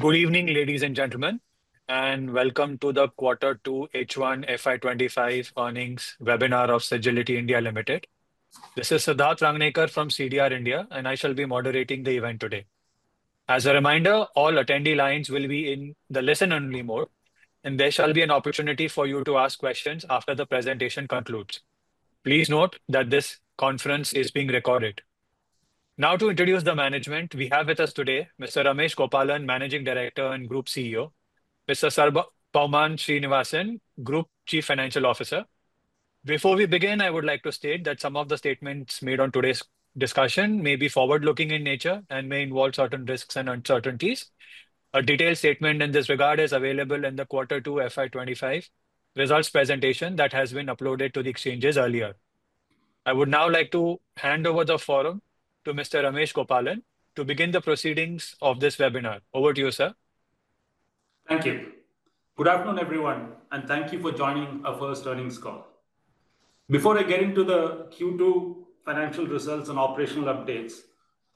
Good evening, ladies and gentlemen, and welcome to the Quarter 2 H1 FY25 Earnings webinar of Sagility India Limited. This is Siddharth Rangnekar from CDR India, and I shall be moderating the event today. As a reminder, all attendee lines will be in the listen-only mode, and there shall be an opportunity for you to ask questions after the presentation concludes. Please note that this conference is being recorded. Now, to introduce the management, we have with us today Mr. Ramesh Gopalan, Managing Director and Group CEO, and Mr. Sarvabhouman Srinivasan, Group Chief Financial Officer. Before we begin, I would like to state that some of the statements made on today's discussion may be forward-looking in nature and may involve certain risks and uncertainties. A detailed statement in this regard is available in the Quarter 2 FY25 results presentation that has been uploaded to the exchanges earlier. I would now like to hand over the forum to Mr. Ramesh Gopalan to begin the proceedings of this webinar. Over to you, sir. Thank you. Good afternoon, everyone, and thank you for joining our first earnings call. Before I get into the Q2 financial results and operational updates,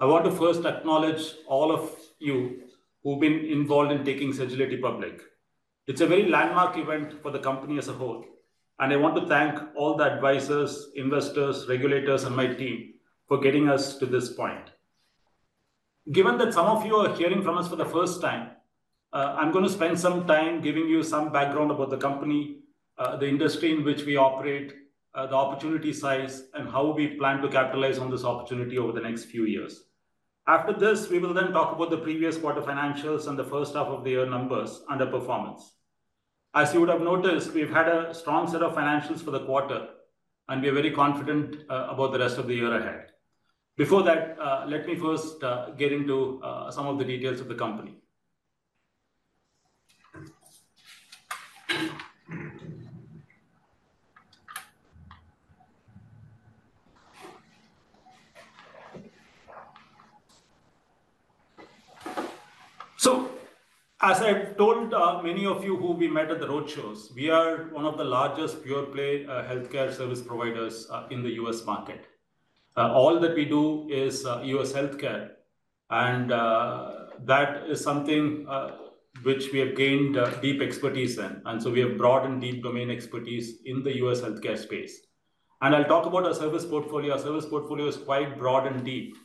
I want to first acknowledge all of you who've been involved in taking Sagility public. It's a very landmark event for the company as a whole, and I want to thank all the advisors, investors, regulators, and my team for getting us to this point. Given that some of you are hearing from us for the first time, I'm going to spend some time giving you some background about the company, the industry in which we operate, the opportunity size, and how we plan to capitalize on this opportunity over the next few years. After this, we will then talk about the previous quarter financials and the first half of the year numbers and the performance. As you would have noticed, we've had a strong set of financials for the quarter, and we are very confident about the rest of the year ahead. Before that, let me first get into some of the details of the company. So, as I've told many of you who we met at the roadshows, we are one of the largest pure-play healthcare service providers in the U.S. market. All that we do is U.S. healthcare, and that is something which we have gained deep expertise in. And so we have broadened deep domain expertise in the U.S. healthcare space. And I'll talk about our service portfolio. Our service portfolio is quite broad and deep,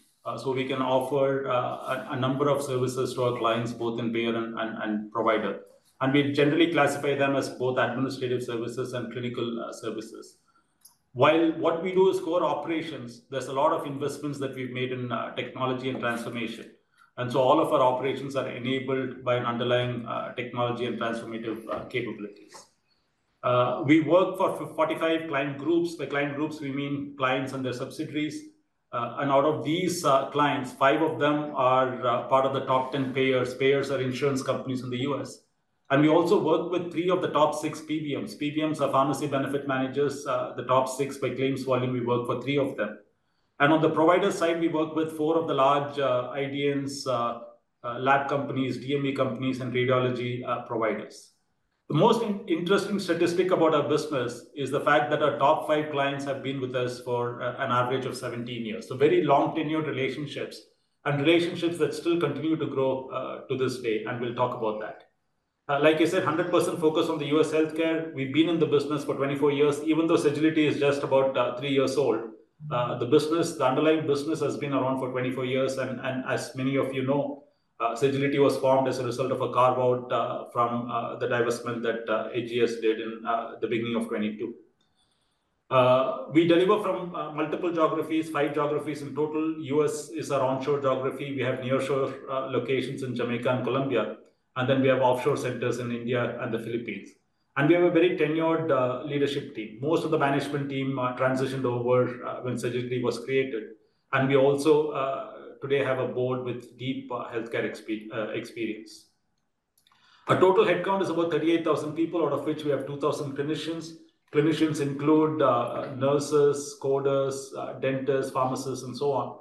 so we can offer a number of services to our clients, both in payer and provider. And we generally classify them as both administrative services and clinical services. While what we do is core operations, there's a lot of investments that we've made in technology and transformation. And so all of our operations are enabled by an underlying technology and transformative capabilities. We work for 45 client groups. By client groups, we mean clients and their subsidiaries. And out of these clients, five of them are part of the top 10 payers, payers or insurance companies in the U.S. And we also work with three of the top six PBMs. PBMs are pharmacy benefit managers, the top six by claims volume. We work for three of them. And on the provider side, we work with four of the large IDNs, lab companies, DME companies, and radiology providers. The most interesting statistic about our business is the fact that our top five clients have been with us for an average of 17 years. Very long tenured relationships and relationships that still continue to grow to this day. We'll talk about that. Like I said, 100% focus on the U.S. healthcare. We've been in the business for 24 years, even though Sagility is just about three years old. The underlying business has been around for 24 years. As many of you know, Sagility was formed as a result of a carve-out from the divestment that HGS did in the beginning of 2022. We deliver from multiple geographies, five geographies in total. U.S. is our onshore geography. We have nearshore locations in Jamaica and Colombia. We have offshore centers in India and the Philippines. We have a very tenured leadership team. Most of the management team transitioned over when Sagility was created. We also today have a board with deep healthcare experience. Our total headcount is about 38,000 people, out of which we have 2,000 clinicians. Clinicians include nurses, coders, dentists, pharmacists, and so on.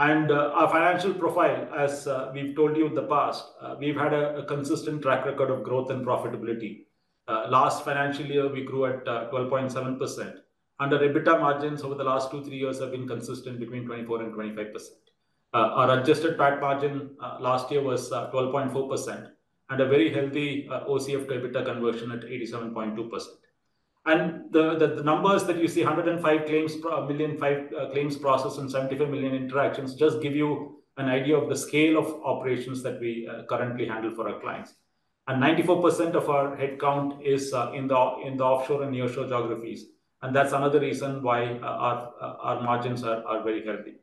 Our financial profile, as we've told you in the past, we've had a consistent track record of growth and profitability. Last financial year, we grew at 12.7%. Our EBITDA margins over the last two, three years have been consistent between 24% and 25%. Our adjusted PAT margin last year was 12.4% and a very healthy OCF to EBITDA conversion at 87.2%. The numbers that you see, 105 million claims processed and 75 million interactions, just give you an idea of the scale of operations that we currently handle for our clients. 94% of our headcount is in the offshore and nearshore geographies. That's another reason why our margins are very healthy.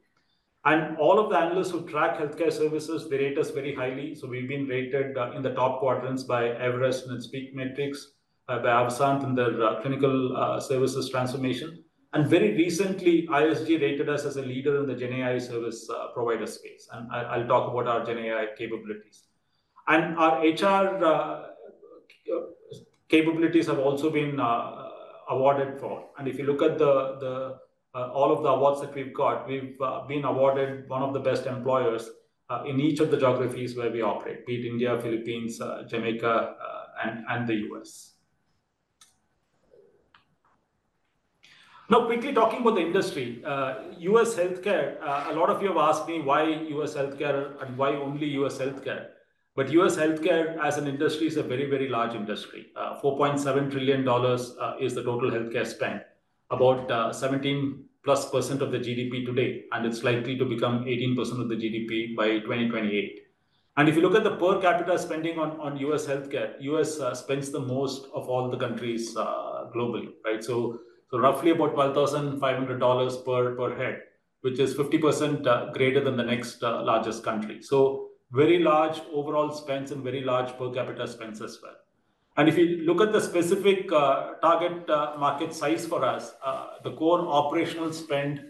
All of the analysts who track healthcare services, they rate us very highly. So we've been rated in the top quadrants by Everest and its PEAK Matrix, by Avasant in their clinical services transformation. And very recently, ISG rated us as a leader in the GenAI service provider space. And I'll talk about our GenAI capabilities. And our HR capabilities have also been awarded for. And if you look at all of the awards that we've got, we've been awarded one of the best employers in each of the geographies where we operate: Great Place to Work India, Philippines, Jamaica, and the U.S. Now, quickly talking about the industry, U.S. healthcare, a lot of you have asked me why U.S. healthcare and why only U.S. healthcare. But U.S. healthcare as an industry is a very, very large industry. $4.7 trillion is the total healthcare spend, about 17% plus of the GDP today. And it's likely to become 18% of the GDP by 2028. And if you look at the per capita spending on U.S. healthcare, U.S. spends the most of all the countries globally, right? So roughly about $12,500 per head, which is 50% greater than the next largest country. So very large overall spends and very large per capita spends as well. And if you look at the specific target market size for us, the core operational spend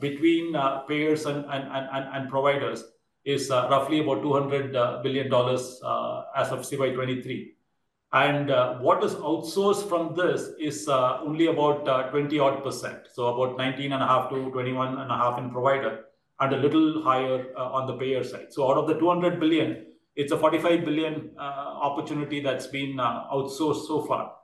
between payers and providers is roughly about $200 billion as of CY23. And what is outsourced from this is only about 20-odd%, so about 19.5%- 21.5% in provider and a little higher on the payer side. So out of the $200 billion, it's a $45 billion opportunity that's been outsourced so far.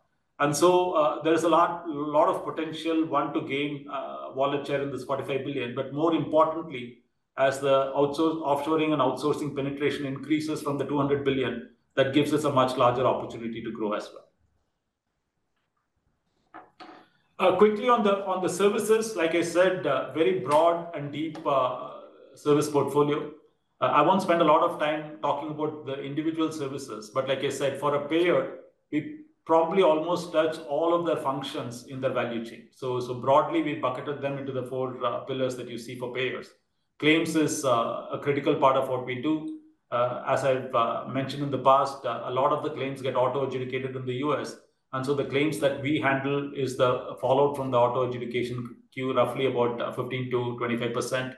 And so there's a lot of potential, one, to gain wallet share in this $45 billion. But more importantly, as the offshoring and outsourcing penetration increases from the $200 billion, that gives us a much larger opportunity to grow as well. Quickly on the services, like I said, very broad and deep service portfolio. I won't spend a lot of time talking about the individual services. But like I said, for a payer, we probably almost touch all of their functions in their value chain. So broadly, we bucketed them into the four pillars that you see for payers. Claims is a critical part of what we do. As I've mentioned in the past, a lot of the claims get auto adjudicated in the U.S. And so the claims that we handle is the follow-up from the auto adjudication queue, roughly about 15%-25%.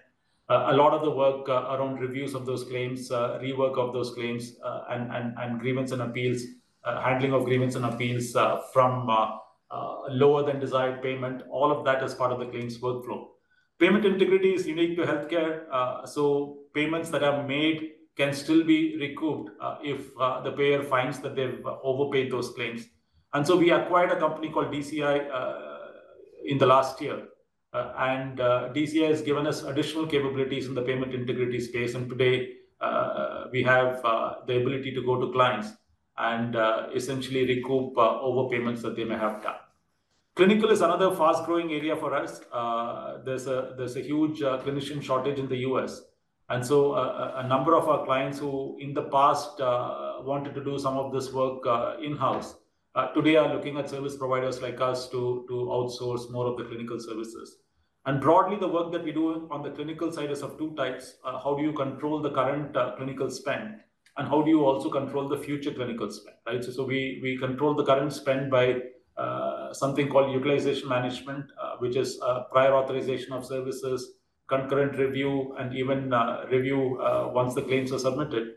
A lot of the work around reviews of those claims, rework of those claims, and grievance and appeals, handling of grievance and appeals from lower than desired payment, all of that is part of the claims workflow. Payment integrity is unique to healthcare. So payments that are made can still be recouped if the payer finds that they've overpaid those claims. And so we acquired a company called DCI in the last year. And DCI has given us additional capabilities in the payment integrity space. And today, we have the ability to go to clients and essentially recoup overpayments that they may have done. Clinical is another fast-growing area for us. There's a huge clinician shortage in the U.S. And so a number of our clients who in the past wanted to do some of this work in-house today are looking at service providers like us to outsource more of the clinical services. And broadly, the work that we do on the clinical side is of two types. How do you control the current clinical spend? And how do you also control the future clinical spend? Right? So we control the current spend by something called Utilization Management, which is prior authorization of services, concurrent review, and even review once the claims are submitted.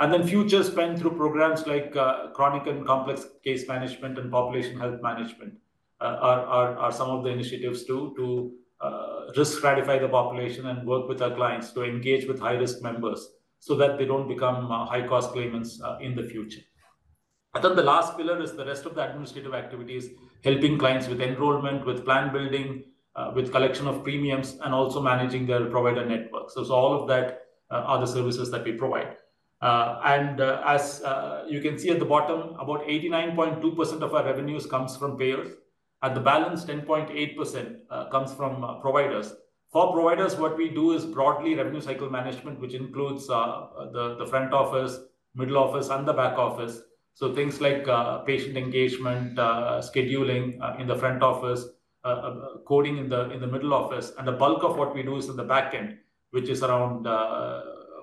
And then future spend through programs like chronic and complex case management and population health management are some of the initiatives to risk stratify the population and work with our clients to engage with high-risk members so that they don't become high-cost claimants in the future. Then the last pillar is the rest of the administrative activities, helping clients with enrollment, with plan building, with collection of premiums, and also managing their provider network. All of that are the services that we provide. As you can see at the bottom, about 89.2% of our revenues comes from payers. At the balance, 10.8% comes from providers. For providers, what we do is broadly revenue cycle management, which includes the front office, middle office, and the back office. Things like patient engagement, scheduling in the front office, coding in the middle office. The bulk of what we do is in the back end, which is around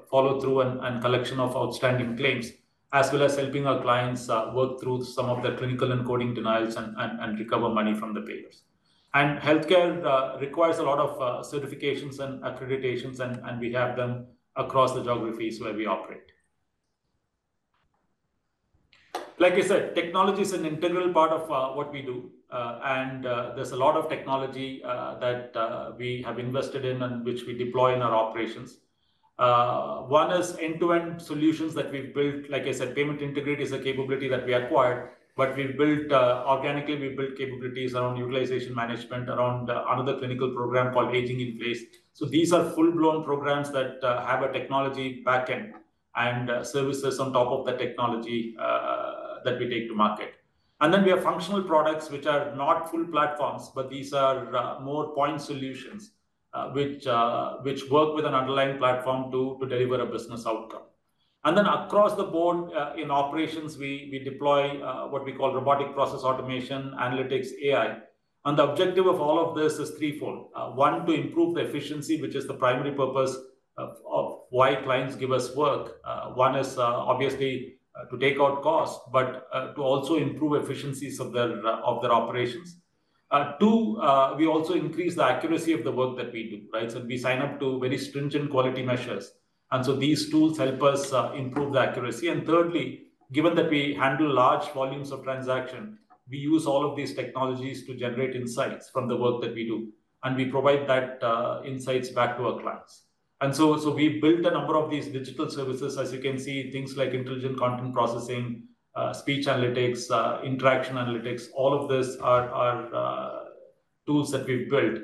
follow-through and collection of outstanding claims, as well as helping our clients work through some of their clinical and coding denials and recover money from the payers. And healthcare requires a lot of certifications and accreditations, and we have them across the geographies where we operate. Like I said, technology is an integral part of what we do. And there's a lot of technology that we have invested in and which we deploy in our operations. One is end-to-end solutions that we've built. Like I said, payment integrity is a capability that we acquired. But organically, we built capabilities around utilization management, around another clinical program called Aging in Place. So these are full-blown programs that have a technology backend and services on top of the technology that we take to market. And then we have functional products, which are not full platforms, but these are more point solutions which work with an underlying platform to deliver a business outcome. And then across the board in operations, we deploy what we call robotic process automation, analytics, AI. The objective of all of this is threefold. One, to improve the efficiency, which is the primary purpose of why clients give us work. One is obviously to take out costs, but to also improve efficiencies of their operations. Two, we also increase the accuracy of the work that we do, right? So we sign up to very stringent quality measures. And so these tools help us improve the accuracy. And thirdly, given that we handle large volumes of transactions, we use all of these technologies to generate insights from the work that we do. And we provide those insights back to our clients. And so we've built a number of these digital services, as you can see, things like intelligent content processing, speech analytics, interaction analytics. All of these are tools that we've built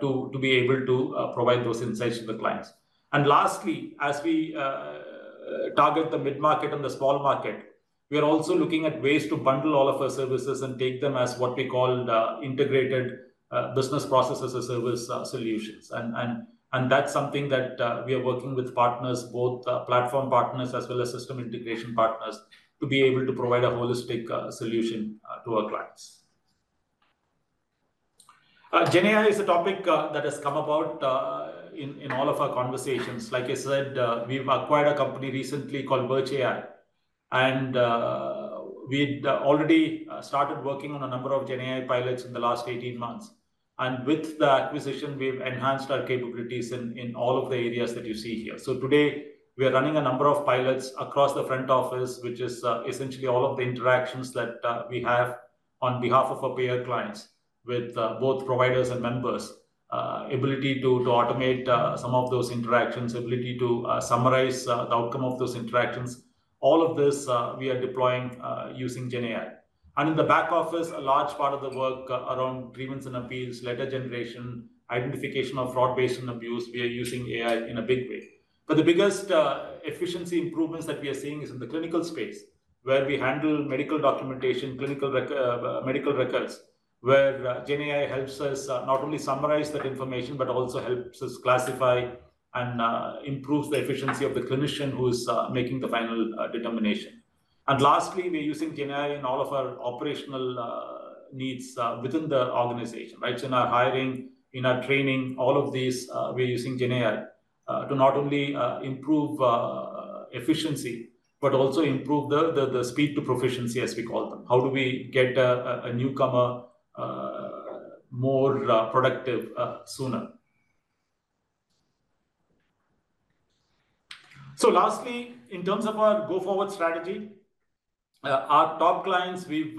to be able to provide those insights to the clients. And lastly, as we target the mid-market and the small market, we are also looking at ways to bundle all of our services and take them as what we call integrated business processes as a service solutions. And that's something that we are working with partners, both platform partners as well as system integration partners, to be able to provide a holistic solution to our clients. GenAI is a topic that has come about in all of our conversations. Like I said, we've acquired a company recently called BirchAI. And we'd already started working on a number of GenAI pilots in the last 18 months. And with the acquisition, we've enhanced our capabilities in all of the areas that you see here. So today, we are running a number of pilots across the front office, which is essentially all of the interactions that we have on behalf of our payer clients with both providers and members, ability to automate some of those interactions, ability to summarize the outcome of those interactions. All of this, we are deploying using GenAI. And in the back office, a large part of the work around grievances and appeals, letter generation, identification of fraud, waste, and abuse, we are using AI in a big way. But the biggest efficiency improvements that we are seeing is in the clinical space, where we handle medical documentation, clinical records, where GenAI helps us not only summarize that information, but also helps us classify and improve the efficiency of the clinician who's making the final determination. And lastly, we're using GenAI in all of our operational needs within the organization, right? So in our hiring, in our training, all of these, we're using GenAI to not only improve efficiency, but also improve the speed to proficiency, as we call them. How do we get a newcomer more productive sooner? So lastly, in terms of our go-forward strategy, our top clients, we've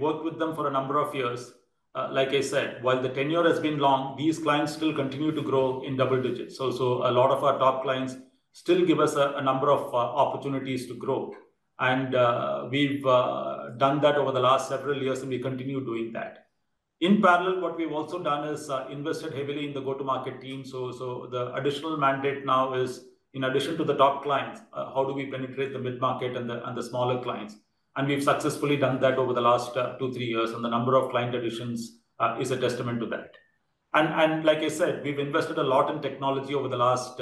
worked with them for a number of years. Like I said, while the tenure has been long, these clients still continue to grow in double digits. So a lot of our top clients still give us a number of opportunities to grow. And we've done that over the last several years, and we continue doing that. In parallel, what we've also done is invested heavily in the go-to-market team. So the additional mandate now is, in addition to the top clients, how do we penetrate the mid-market and the smaller clients? And we've successfully done that over the last two, three years. And the number of client additions is a testament to that. And like I said, we've invested a lot in technology over the last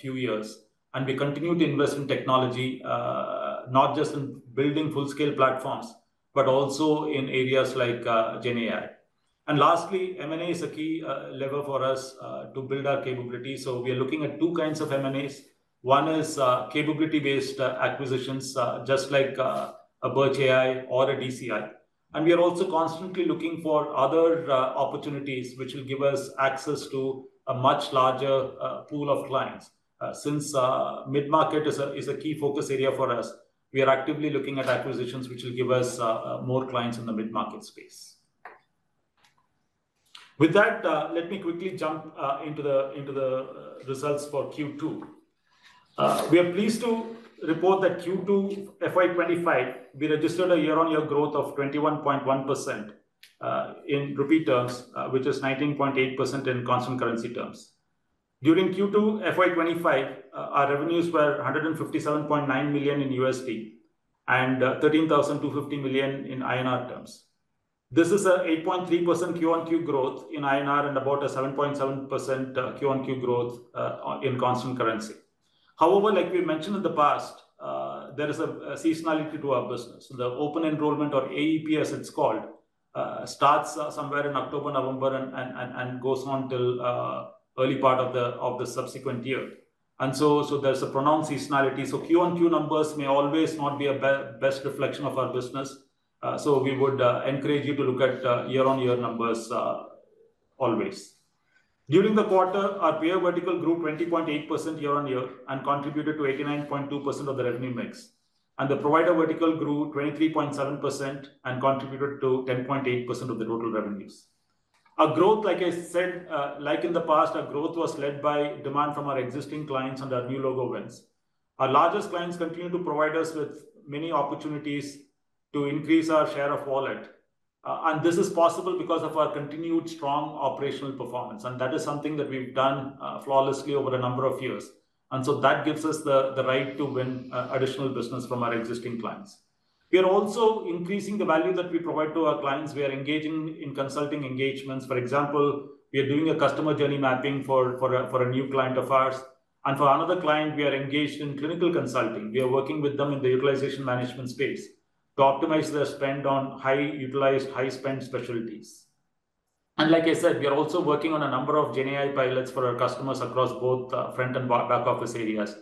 few years. And we continue to invest in technology, not just in building full-scale platforms, but also in areas like GenAI. And lastly, M&A is a key lever for us to build our capability. So we are looking at two kinds of M&As. One is capability-based acquisitions, just like a BirchAI or a DCI. And we are also constantly looking for other opportunities, which will give us access to a much larger pool of clients. Since mid-market is a key focus area for us, we are actively looking at acquisitions, which will give us more clients in the mid-market space. With that, let me quickly jump into the results for Q2. We are pleased to report that in Q2 FY25, we registered a year-on-year growth of 21.1% in reported terms, which is 19.8% in constant currency terms. During Q2 FY25, our revenues were $157.9 million in USD and INR 13,250 million terms. This is an 8.3% QoQ growth in INR and about a 7.7% QoQ growth in constant currency. However, like we mentioned in the past, there is a seasonality to our business. The open enrollment, or AEP as it's called, starts somewhere in October, November, and goes on till the early part of the subsequent year. And so there's a pronounced seasonality. So QoQ numbers may always not be a best reflection of our business. So we would encourage you to look at year-on-year numbers always. During the quarter, our payer vertical grew 20.8% year-on-year and contributed to 89.2% of the revenue mix. The provider vertical grew 23.7% and contributed to 10.8% of the total revenues. Our growth, like I said, like in the past, our growth was led by demand from our existing clients and our new logo wins. Our largest clients continue to provide us with many opportunities to increase our share of wallet. This is possible because of our continued strong operational performance. That is something that we've done flawlessly over a number of years. So that gives us the right to win additional business from our existing clients. We are also increasing the value that we provide to our clients. We are engaging in consulting engagements. For example, we are doing a customer journey mapping for a new client of ours. For another client, we are engaged in clinical consulting. We are working with them in the utilization management space to optimize their spend on high-utilized, high-spend specialties. And like I said, we are also working on a number of GenAI pilots for our customers across both front and back office areas.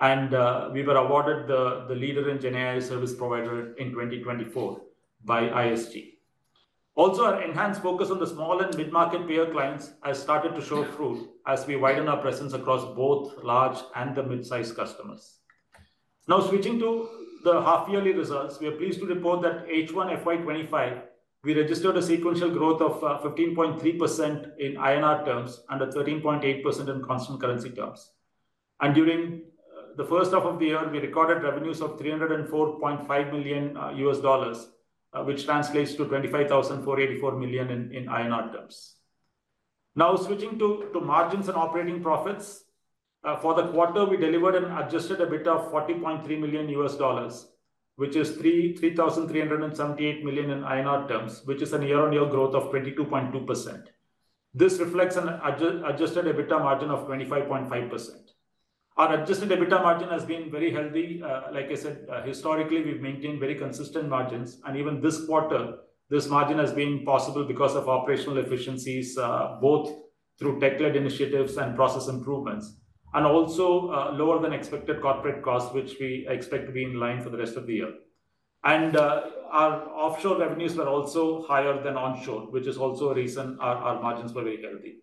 And we were awarded the leader in GenAI service provider in 2024 by ISG. Also, our enhanced focus on the small and mid-market payer clients has started to show through as we widen our presence across both large and the mid-sized customers. Now, switching to the half-yearly results, we are pleased to report that H1 FY25, we registered a sequential growth of 15.3% in INR terms and a 13.8% in constant currency terms. And during the first half of the year, we recorded revenues of $304.5 million, which translates to 25,484 million in INR terms. Now, switching to margins and operating profits, for the quarter, we delivered an adjusted EBITDA of $40.3 million, which is 3,378 million INR in INR terms, which is a year-on-year growth of 22.2%. This reflects an adjusted EBITDA margin of 25.5%. Our adjusted EBITDA margin has been very healthy. Like I said, historically, we've maintained very consistent margins. And even this quarter, this margin has been possible because of operational efficiencies, both through tech-led initiatives and process improvements, and also lower than expected corporate costs, which we expect to be in line for the rest of the year. And our offshore revenues were also higher than onshore, which is also a reason our margins were very healthy.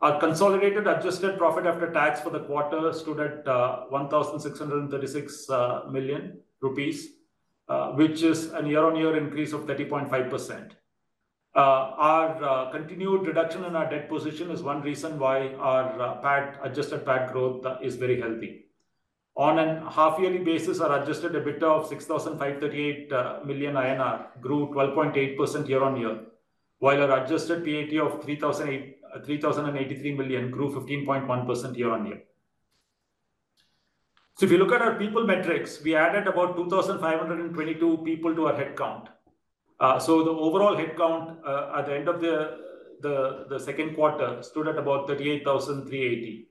Our consolidated adjusted profit after tax for the quarter stood at 1,636 million rupees, which is a year-on-year increase of 30.5%. Our continued reduction in our debt position is one reason why our adjusted EBITDA growth is very healthy. On a half-yearly basis, our adjusted EBITDA of 6,538 million INR grew 12.8% year-on-year, while our adjusted PAT of 3,083 million grew 15.1% year-on-year. So if you look at our people metrics, we added about 2,522 people to our headcount. So the overall headcount at the end of the second quarter stood at about 38,380.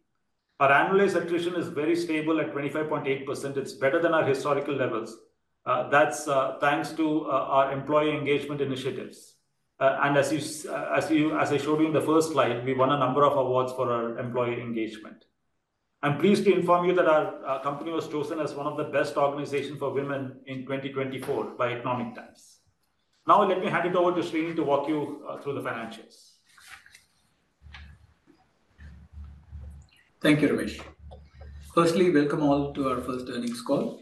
Our annualized attrition is very stable at 25.8%. It's better than our historical levels. That's thanks to our employee engagement initiatives. And as I showed you in the first slide, we won a number of awards for our employee engagement. I'm pleased to inform you that our company was chosen as one of the Best Organizations for Women in 2024 by The Economic Times. Now, let me hand it over to Srini to walk you through the financials. Thank you, Ramesh. First, welcome all to our first earnings call.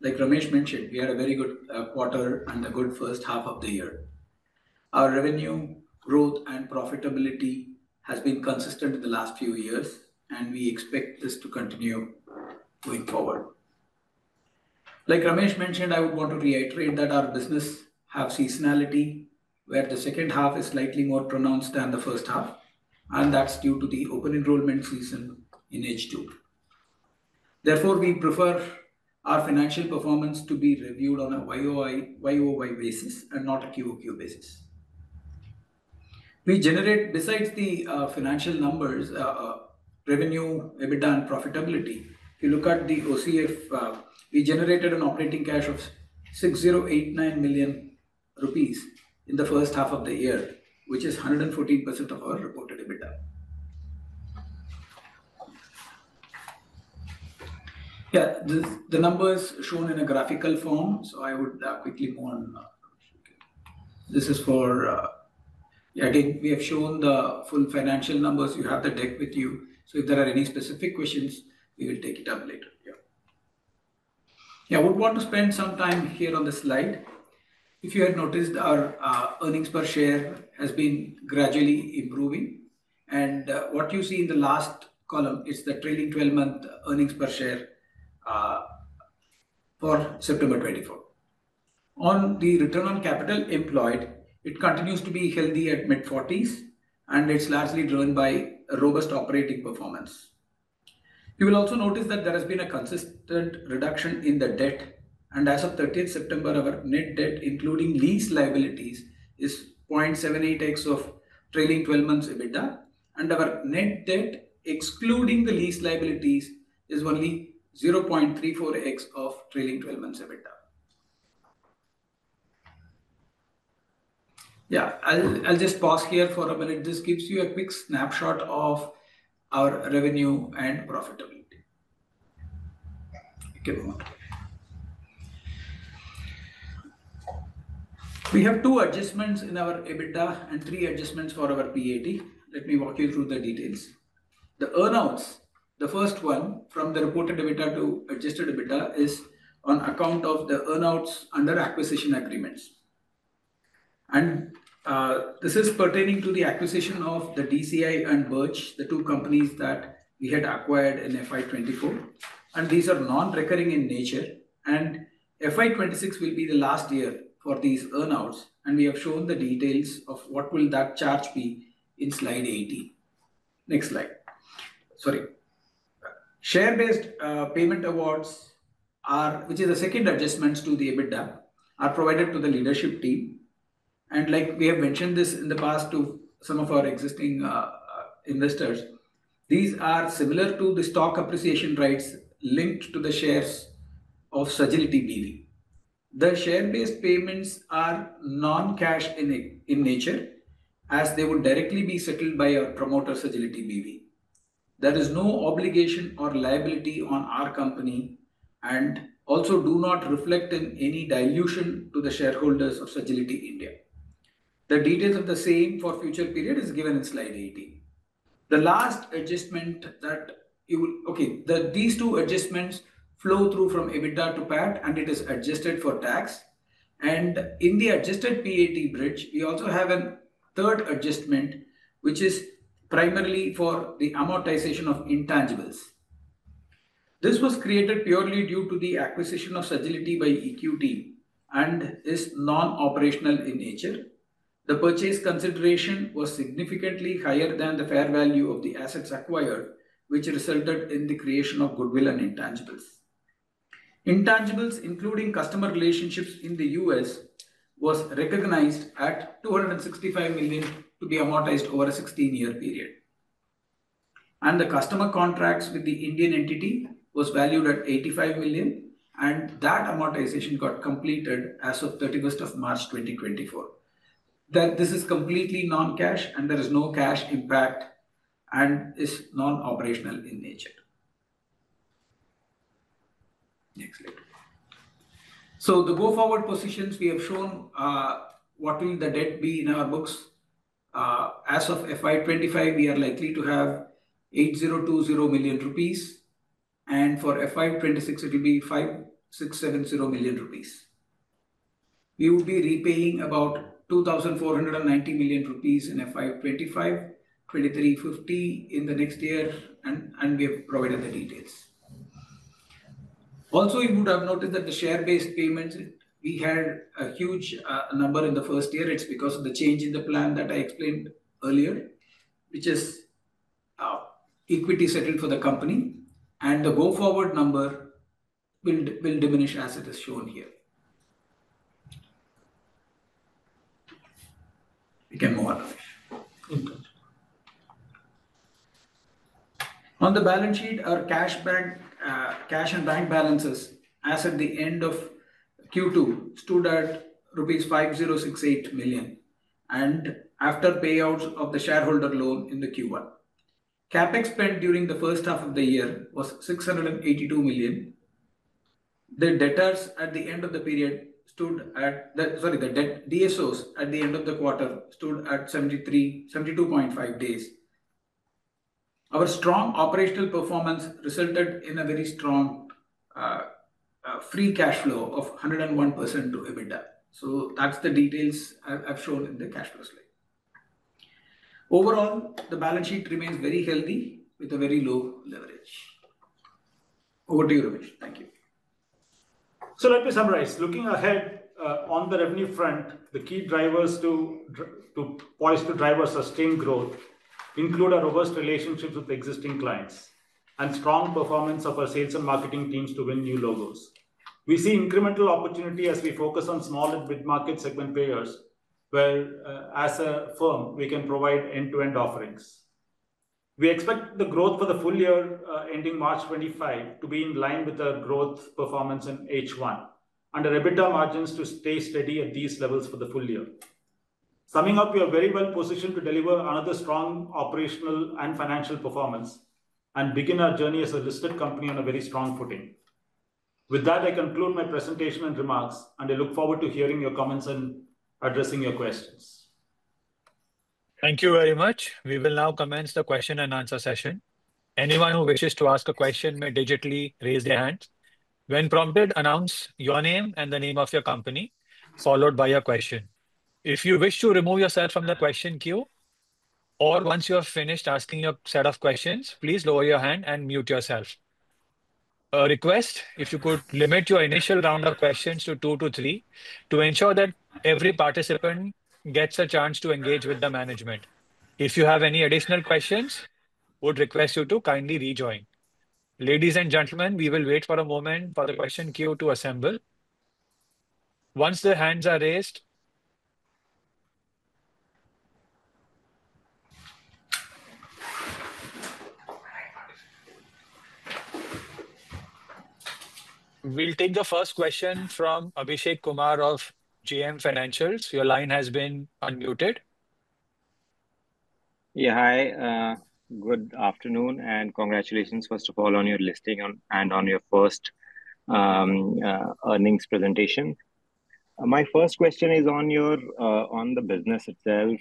Like Ramesh mentioned, we had a very good quarter and a good first half of the year. Our revenue growth and profitability has been consistent in the last few years, and we expect this to continue going forward. Like Ramesh mentioned, I would want to reiterate that our business has seasonality, where the second half is slightly more pronounced than the first half, and that's due to the open enrollment season in H2. Therefore, we prefer our financial performance to be reviewed on a YOY basis and not a QOQ basis. Besides the financial numbers, revenue, EBITDA, and profitability, if you look at the OCF, we generated an operating cash of 6,089 million rupees in the first half of the year, which is 114% of our reported EBITDA. Yeah, the number is shown in a graphical form. So I would quickly move on. This is for, yeah, again, we have shown the full financial numbers. You have the deck with you. So if there are any specific questions, we will take it up later. Yeah. Yeah, I would want to spend some time here on the slide. If you had noticed, our earnings per share has been gradually improving. And what you see in the last column is the trailing 12-month earnings per share for September 2024. On the return on capital employed, it continues to be healthy at mid-40s, and it's largely driven by robust operating performance. You will also notice that there has been a consistent reduction in the debt. And as of 30 September, our net debt, including lease liabilities, is 0.78x of trailing 12 months EBITDA. And our net debt, excluding the lease liabilities, is only 0.34x of trailing 12 months EBITDA. Yeah, I'll just pause here for a minute. This gives you a quick snapshot of our revenue and profitability. Okay, one second. We have two adjustments in our EBITDA and three adjustments for our PAT. Let me walk you through the details. The earnouts, the first one from the reported EBITDA to adjusted EBITDA is on account of the earnouts under acquisition agreements. And this is pertaining to the acquisition of the DCI and BirchAI, the two companies that we had acquired in FY24. And these are non-recurring in nature. And FY26 will be the last year for these earnouts. And we have shown the details of what will that charge be in slide 18. Next slide. Sorry. Share-based payment awards, which is the second adjustment to the EBITDA, are provided to the leadership team. And like we have mentioned this in the past to some of our existing investors, these are similar to the stock appreciation rights linked to the shares of Sagility BV. The share-based payments are non-cash in nature, as they would directly be settled by our promoter, Sagility BV. There is no obligation or liability on our company and also do not reflect in any dilution to the shareholders of Sagility India. The details of the same for future period are given in slide 18. The last adjustment, okay, these two adjustments flow through from EBITDA to PAT, and it is adjusted for tax. And in the adjusted PAT bridge, we also have a third adjustment, which is primarily for the amortization of intangibles. This was created purely due to the acquisition of Sagility by EQT and is non-operational in nature. The purchase consideration was significantly higher than the fair value of the assets acquired, which resulted in the creation of goodwill and intangibles. Intangibles, including customer relationships in the U.S., were recognized at 265 million to be amortized over a 16-year period. And the customer contracts with the Indian entity were valued at 85 million. And that amortization got completed as of 31 March 2024. This is completely non-cash, and there is no cash impact and is non-operational in nature. Next slide. So the go-forward positions, we have shown what will the debt be in our books. As of FY25, we are likely to have 8,020 million rupees. And for FY26, it will be 5,670 million rupees. We will be repaying about 2,490 million rupees in FY25, 2,350 in the next year, and we have provided the details. Also, you would have noticed that the share-based payments, we had a huge number in the first year. It's because of the change in the plan that I explained earlier, which is equity settled for the company, and the go-forward number will diminish as it is shown here. We can move on. On the balance sheet, our cash and bank balances, as at the end of Q2, stood at rupees 5,068 million. And after payouts of the shareholder loan in Q1, CapEx spent during the first half of the year was 682 million. The debtors at the end of the period stood at, sorry, the debtor DSOs at the end of the quarter stood at 72.5 days. Our strong operational performance resulted in a very strong free cash flow of 101% to EBITDA. So that's the details I've shown in the cash flow slide. Overall, the balance sheet remains very healthy with a very low leverage. Over to you, Ramesh. Thank you. So let me summarize. Looking ahead on the revenue front, the key drivers to poised to drive our sustained growth include our robust relationships with existing clients and strong performance of our sales and marketing teams to win new logos. We see incremental opportunity as we focus on small and mid-market segment payers, where as a firm, we can provide end-to-end offerings. We expect the growth for the full year ending March 2025 to be in line with our growth performance in H1 and our EBITDA margins to stay steady at these levels for the full year. Summing up, we are very well positioned to deliver another strong operational and financial performance and begin our journey as a listed company on a very strong footing. With that, I conclude my presentation and remarks, and I look forward to hearing your comments and addressing your questions. Thank you very much. We will now commence the question and answer session. Anyone who wishes to ask a question may digitally raise their hand. When prompted, announce your name and the name of your company, followed by a question. If you wish to remove yourself from the question queue, or once you have finished asking your set of questions, please lower your hand and mute yourself. A request, if you could limit your initial round of questions to two to three to ensure that every participant gets a chance to engage with the management. If you have any additional questions, I would request you to kindly rejoin. Ladies and gentlemen, we will wait for a moment for the question queue to assemble. Once the hands are raised, we'll take the first question from Abhishek Kumar of JM Financial. Your line has been unmuted. Yeah, hi. Good afternoon and congratulations, first of all, on your listing and on your first earnings presentation. My first question is on the business itself.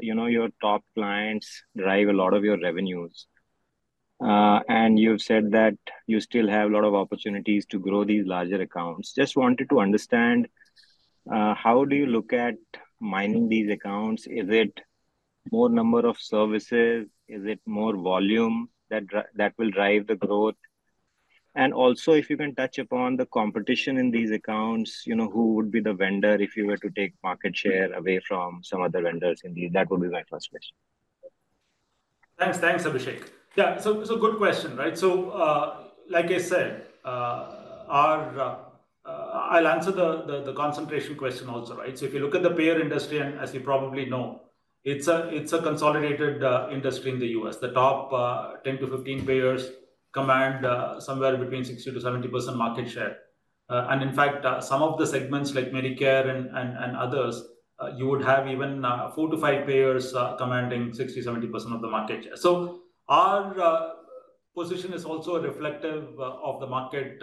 Your top clients drive a lot of your revenues, and you've said that you still have a lot of opportunities to grow these larger accounts. Just wanted to understand, how do you look at mining these accounts? Is it more number of services? Is it more volume that will drive the growth? And also, if you can touch upon the competition in these accounts, who would be the vendor if you were to take market share away from some other vendors? That would be my first question. Thanks, Abhishek. Yeah, so good question, right? So like I said, I'll answer the concentration question also, right? So if you look at the payer industry, and as you probably know, it's a consolidated industry in the U.S. The top 10-15 payers command somewhere between 60%-70% market share. And in fact, some of the segments like Medicare and others, you would have even four to five payers commanding 60%-70% of the market share. So our position is also reflective of the market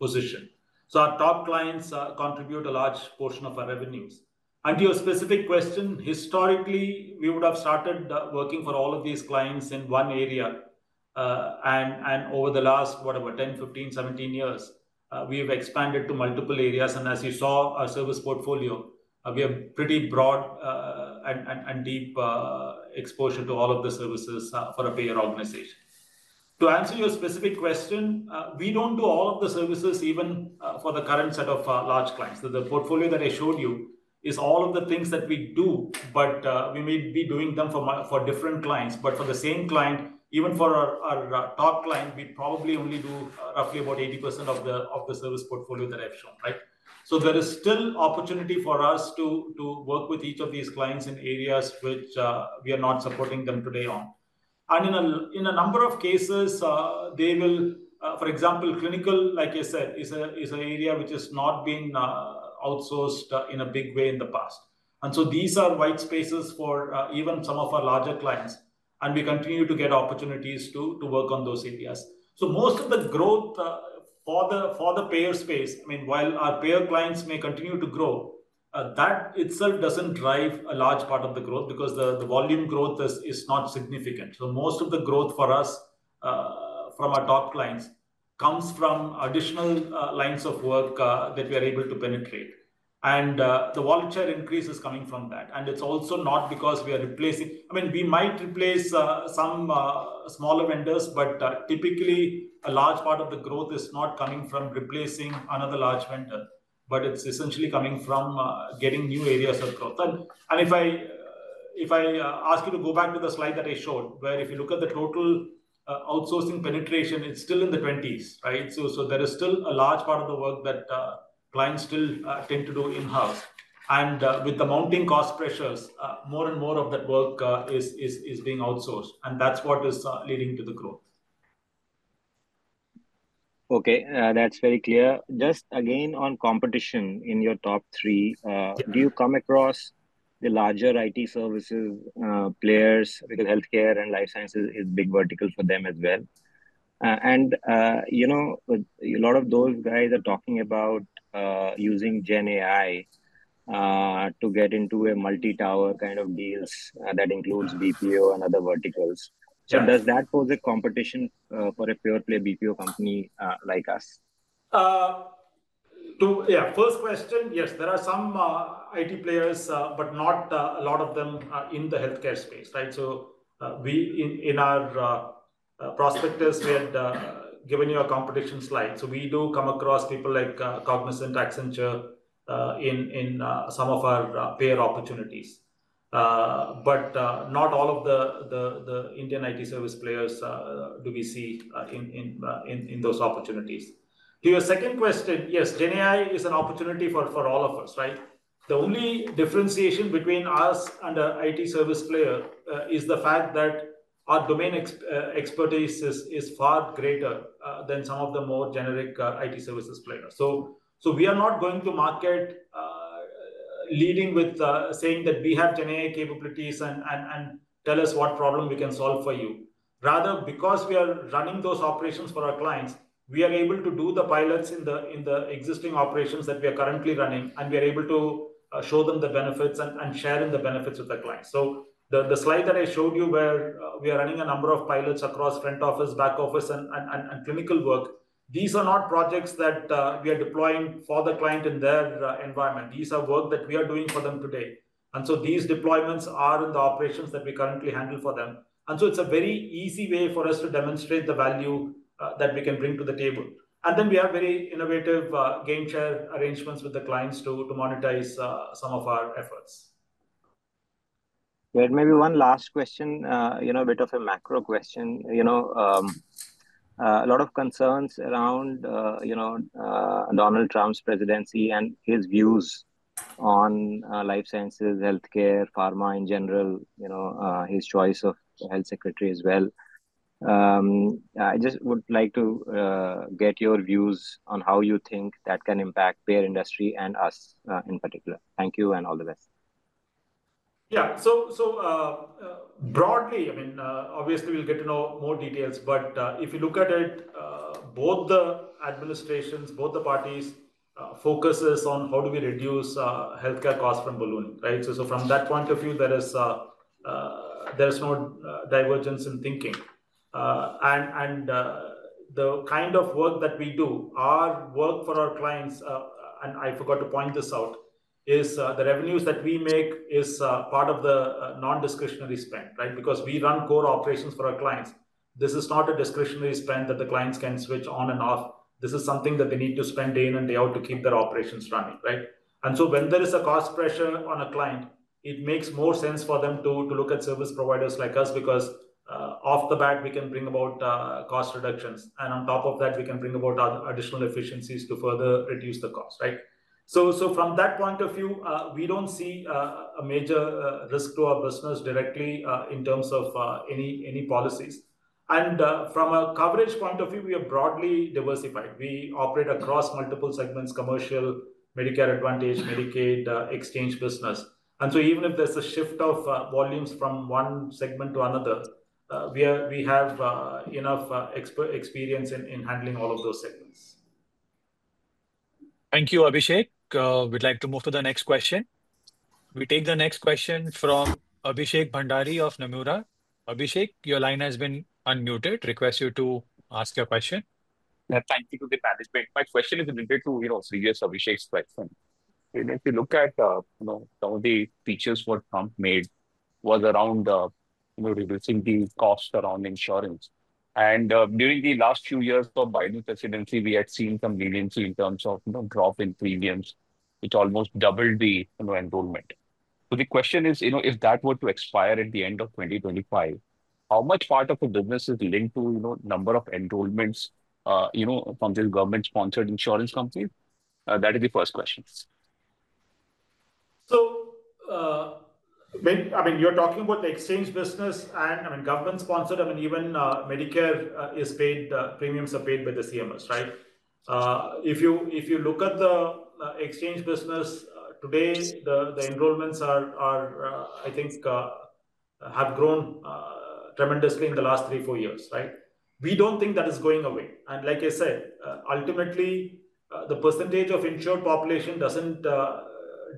position. So our top clients contribute a large portion of our revenues. And to your specific question, historically, we would have started working for all of these clients in one area. And over the last, whatever, 10, 15, 17 years, we have expanded to multiple areas. As you saw, our service portfolio, we have pretty broad and deep exposure to all of the services for a payer organization. To answer your specific question, we don't do all of the services even for the current set of large clients. The portfolio that I showed you is all of the things that we do, but we may be doing them for different clients. But for the same client, even for our top client, we probably only do roughly about 80% of the service portfolio that I've shown, right? There is still opportunity for us to work with each of these clients in areas which we are not supporting them today on. In a number of cases, they will, for example, clinical, like I said, is an area which has not been outsourced in a big way in the past. These are white spaces for even some of our larger clients. We continue to get opportunities to work on those areas. Most of the growth for the payer space, I mean, while our payer clients may continue to grow, that itself doesn't drive a large part of the growth because the volume growth is not significant. Most of the growth for us from our top clients comes from additional lines of work that we are able to penetrate. The volumetric increase is coming from that. It's also not because we are replacing, I mean, we might replace some smaller vendors, but typically, a large part of the growth is not coming from replacing another large vendor, but it's essentially coming from getting new areas of growth. If I ask you to go back to the slide that I showed, where if you look at the total outsourcing penetration, it's still in the 20s, right? So there is still a large part of the work that clients still tend to do in-house. With the mounting cost pressures, more and more of that work is being outsourced. That's what is leading to the growth. Okay, that's very clear. Just again, on competition in your top three, do you come across the larger IT services players because healthcare and life sciences is a big vertical for them as well? And a lot of those guys are talking about using GenAI to get into a multi-tower kind of deals that includes BPO and other verticals. So does that pose a competition for a pure-play BPO company like us? Yeah, first question, yes, there are some IT players, but not a lot of them in the healthcare space, right? So in our prospectus, we had given you a competition slide. So we do come across people like Cognizant, Accenture in some of our payer opportunities. But not all of the Indian IT service players do we see in those opportunities. To your second question, yes, GenAI is an opportunity for all of us, right? The only differentiation between us and an IT service player is the fact that our domain expertise is far greater than some of the more generic IT services players. So we are not going to market leading with saying that we have GenAI capabilities and tell us what problem we can solve for you. Rather, because we are running those operations for our clients, we are able to do the pilots in the existing operations that we are currently running, and we are able to show them the benefits and share in the benefits with our clients. So the slide that I showed you where we are running a number of pilots across front office, back office, and clinical work, these are not projects that we are deploying for the client in their environment. These are work that we are doing for them today. And so these deployments are in the operations that we currently handle for them. And so it's a very easy way for us to demonstrate the value that we can bring to the table. And then we have very innovative gain share arrangements with the clients to monetize some of our efforts. There may be one last question, a bit of a macro question. A lot of concerns around Donald Trump's presidency and his views on life sciences, healthcare, pharma in general, his choice of health secretary as well. I just would like to get your views on how you think that can impact the payer industry and us in particular. Thank you and all the best. Yeah, so broadly, I mean, obviously, we'll get to know more details, but if you look at it, both the administrations, both the parties focus on how do we reduce healthcare costs from ballooning, right? So from that point of view, there is no divergence in thinking. And the kind of work that we do, our work for our clients, and I forgot to point this out, is the revenues that we make is part of the non-discretionary spend, right? Because we run core operations for our clients. This is not a discretionary spend that the clients can switch on and off. This is something that they need to spend day in and day out to keep their operations running, right? And so when there is a cost pressure on a client, it makes more sense for them to look at service providers like us because off the bat, we can bring about cost reductions. And on top of that, we can bring about additional efficiencies to further reduce the cost, right? So from that point of view, we don't see a major risk to our business directly in terms of any policies. And from a coverage point of view, we are broadly diversified. We operate across multiple segments: Commercial, Medicare Advantage, Medicaid, Exchange Business. And so even if there's a shift of volumes from one segment to another, we have enough experience in handling all of those segments. Thank you, Abhishek. We'd like to move to the next question. We take the next question from Abhishek Bhandari of Nomura. Abhishek, your line has been unmuted. Request you to ask your question. Thank you for the management. My question is related to previous Abhishek's question. If you look at some of the features Trump made was around reducing the cost around insurance. And during the last few years of Biden's presidency, we had seen some leniency in terms of drop in premiums. It almost doubled the enrollment. So the question is, if that were to expire at the end of 2025, how much part of the business is linked to number of enrollments from these government-sponsored insurance companies? That is the first question. So I mean, you're talking about the exchange business and government-sponsored. I mean, even Medicare premiums are paid by the CMS, right? If you look at the exchange business today, the enrollments are, I think, have grown tremendously in the last three, four years, right? We don't think that is going away. And like I said, ultimately, the percentage of insured population doesn't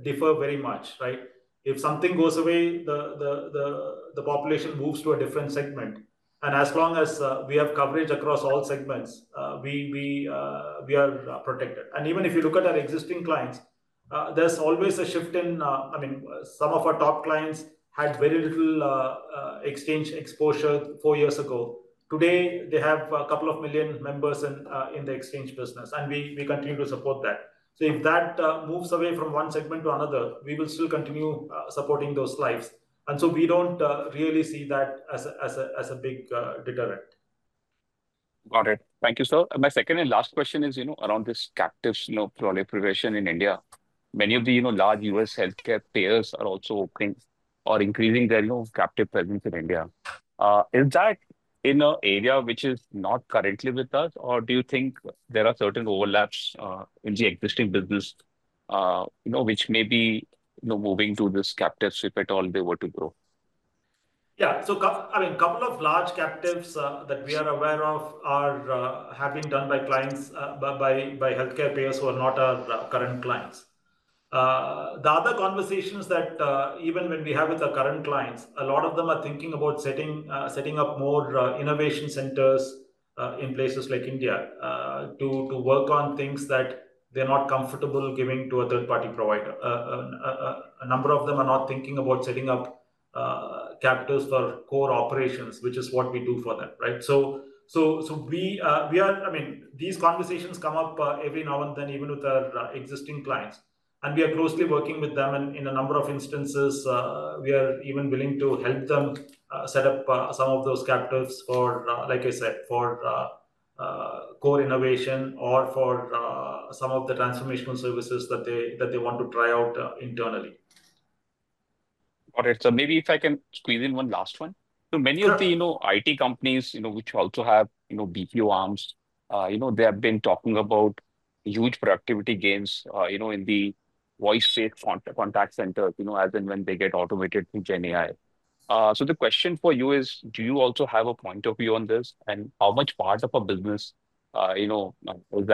differ very much, right? If something goes away, the population moves to a different segment. And as long as we have coverage across all segments, we are protected. And even if you look at our existing clients, there's always a shift in. I mean, some of our top clients had very little exchange exposure four years ago. Today, they have a couple of million members in the exchange business, and we continue to support that. So if that moves away from one segment to another, we will still continue supporting those lives. And so we don't really see that as a big deterrent. Got it. Thank you, sir. And my second and last question is around this captive services progression in India. Many of the large U.S. healthcare payers are also opening or increasing their captive presence in India. Is that in an area which is not currently with us, or do you think there are certain overlaps in the existing business which may be moving to this captive if at all they were to grow? Yeah, so I mean, a couple of large captives that we are aware of have been done by clients, by healthcare payers who are not our current clients. The other conversations that even when we have with our current clients, a lot of them are thinking about setting up more innovation centers in places like India to work on things that they're not comfortable giving to a third-party provider. A number of them are not thinking about setting up captives for core operations, which is what we do for them, right? So I mean, these conversations come up every now and then even with our existing clients. And we are closely working with them. In a number of instances, we are even willing to help them set up some of those captives for, like I said, for core innovation or for some of the transformational services that they want to try out internally. Got it. So maybe if I can squeeze in one last one. So many of the IT companies which also have BPO arms, they have been talking about huge productivity gains in the voice-based contact centers as and when they get automated through GenAI. So the question for you is, do you also have a point of view on this? And how much part of a business is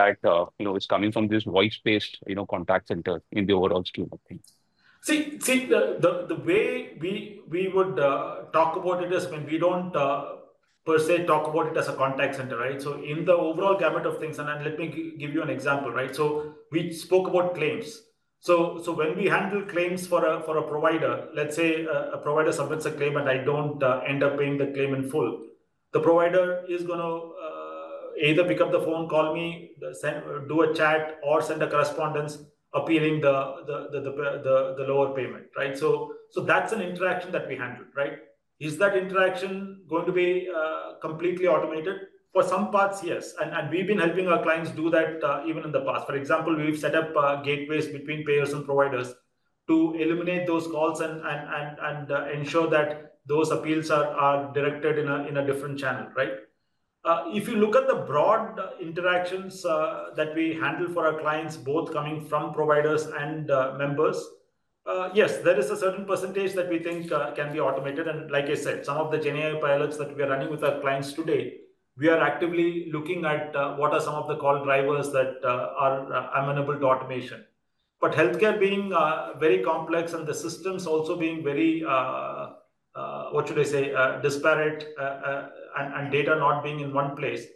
that coming from this voice-based contact center in the overall scheme of things? See, the way we would talk about it is when we don't per se talk about it as a contact center, right? So in the overall gamut of things, and let me give you an example, right? So we spoke about claims. So when we handle claims for a provider, let's say a provider submits a claim and I don't end up paying the claim in full, the provider is going to either pick up the phone, call me, do a chat, or send a correspondence appealing the lower payment, right? So that's an interaction that we handle, right? Is that interaction going to be completely automated? For some parts, yes. And we've been helping our clients do that even in the past. For example, we've set up gateways between payers and providers to eliminate those calls and ensure that those appeals are directed in a different channel, right? If you look at the broad interactions that we handle for our clients, both coming from providers and members, yes, there is a certain percentage that we think can be automated. And like I said, some of the GenAI pilots that we are running with our clients today, we are actively looking at what are some of the call drivers that are amenable to automation. But healthcare being very complex and the systems also being very, what should I say, disparate and data not being in one place,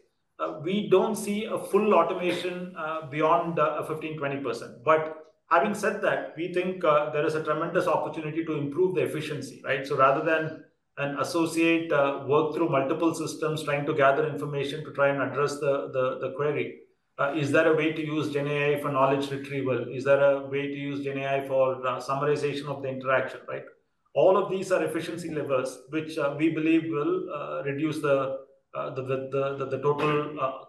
we don't see a full automation beyond 15%-20%. But having said that, we think there is a tremendous opportunity to improve the efficiency, right? So rather than an associate work through multiple systems trying to gather information to try and address the query, is there a way to use GenAI for knowledge retrieval? Is there a way to use GenAI for summarization of the interaction, right? All of these are efficiency levels which we believe will reduce the total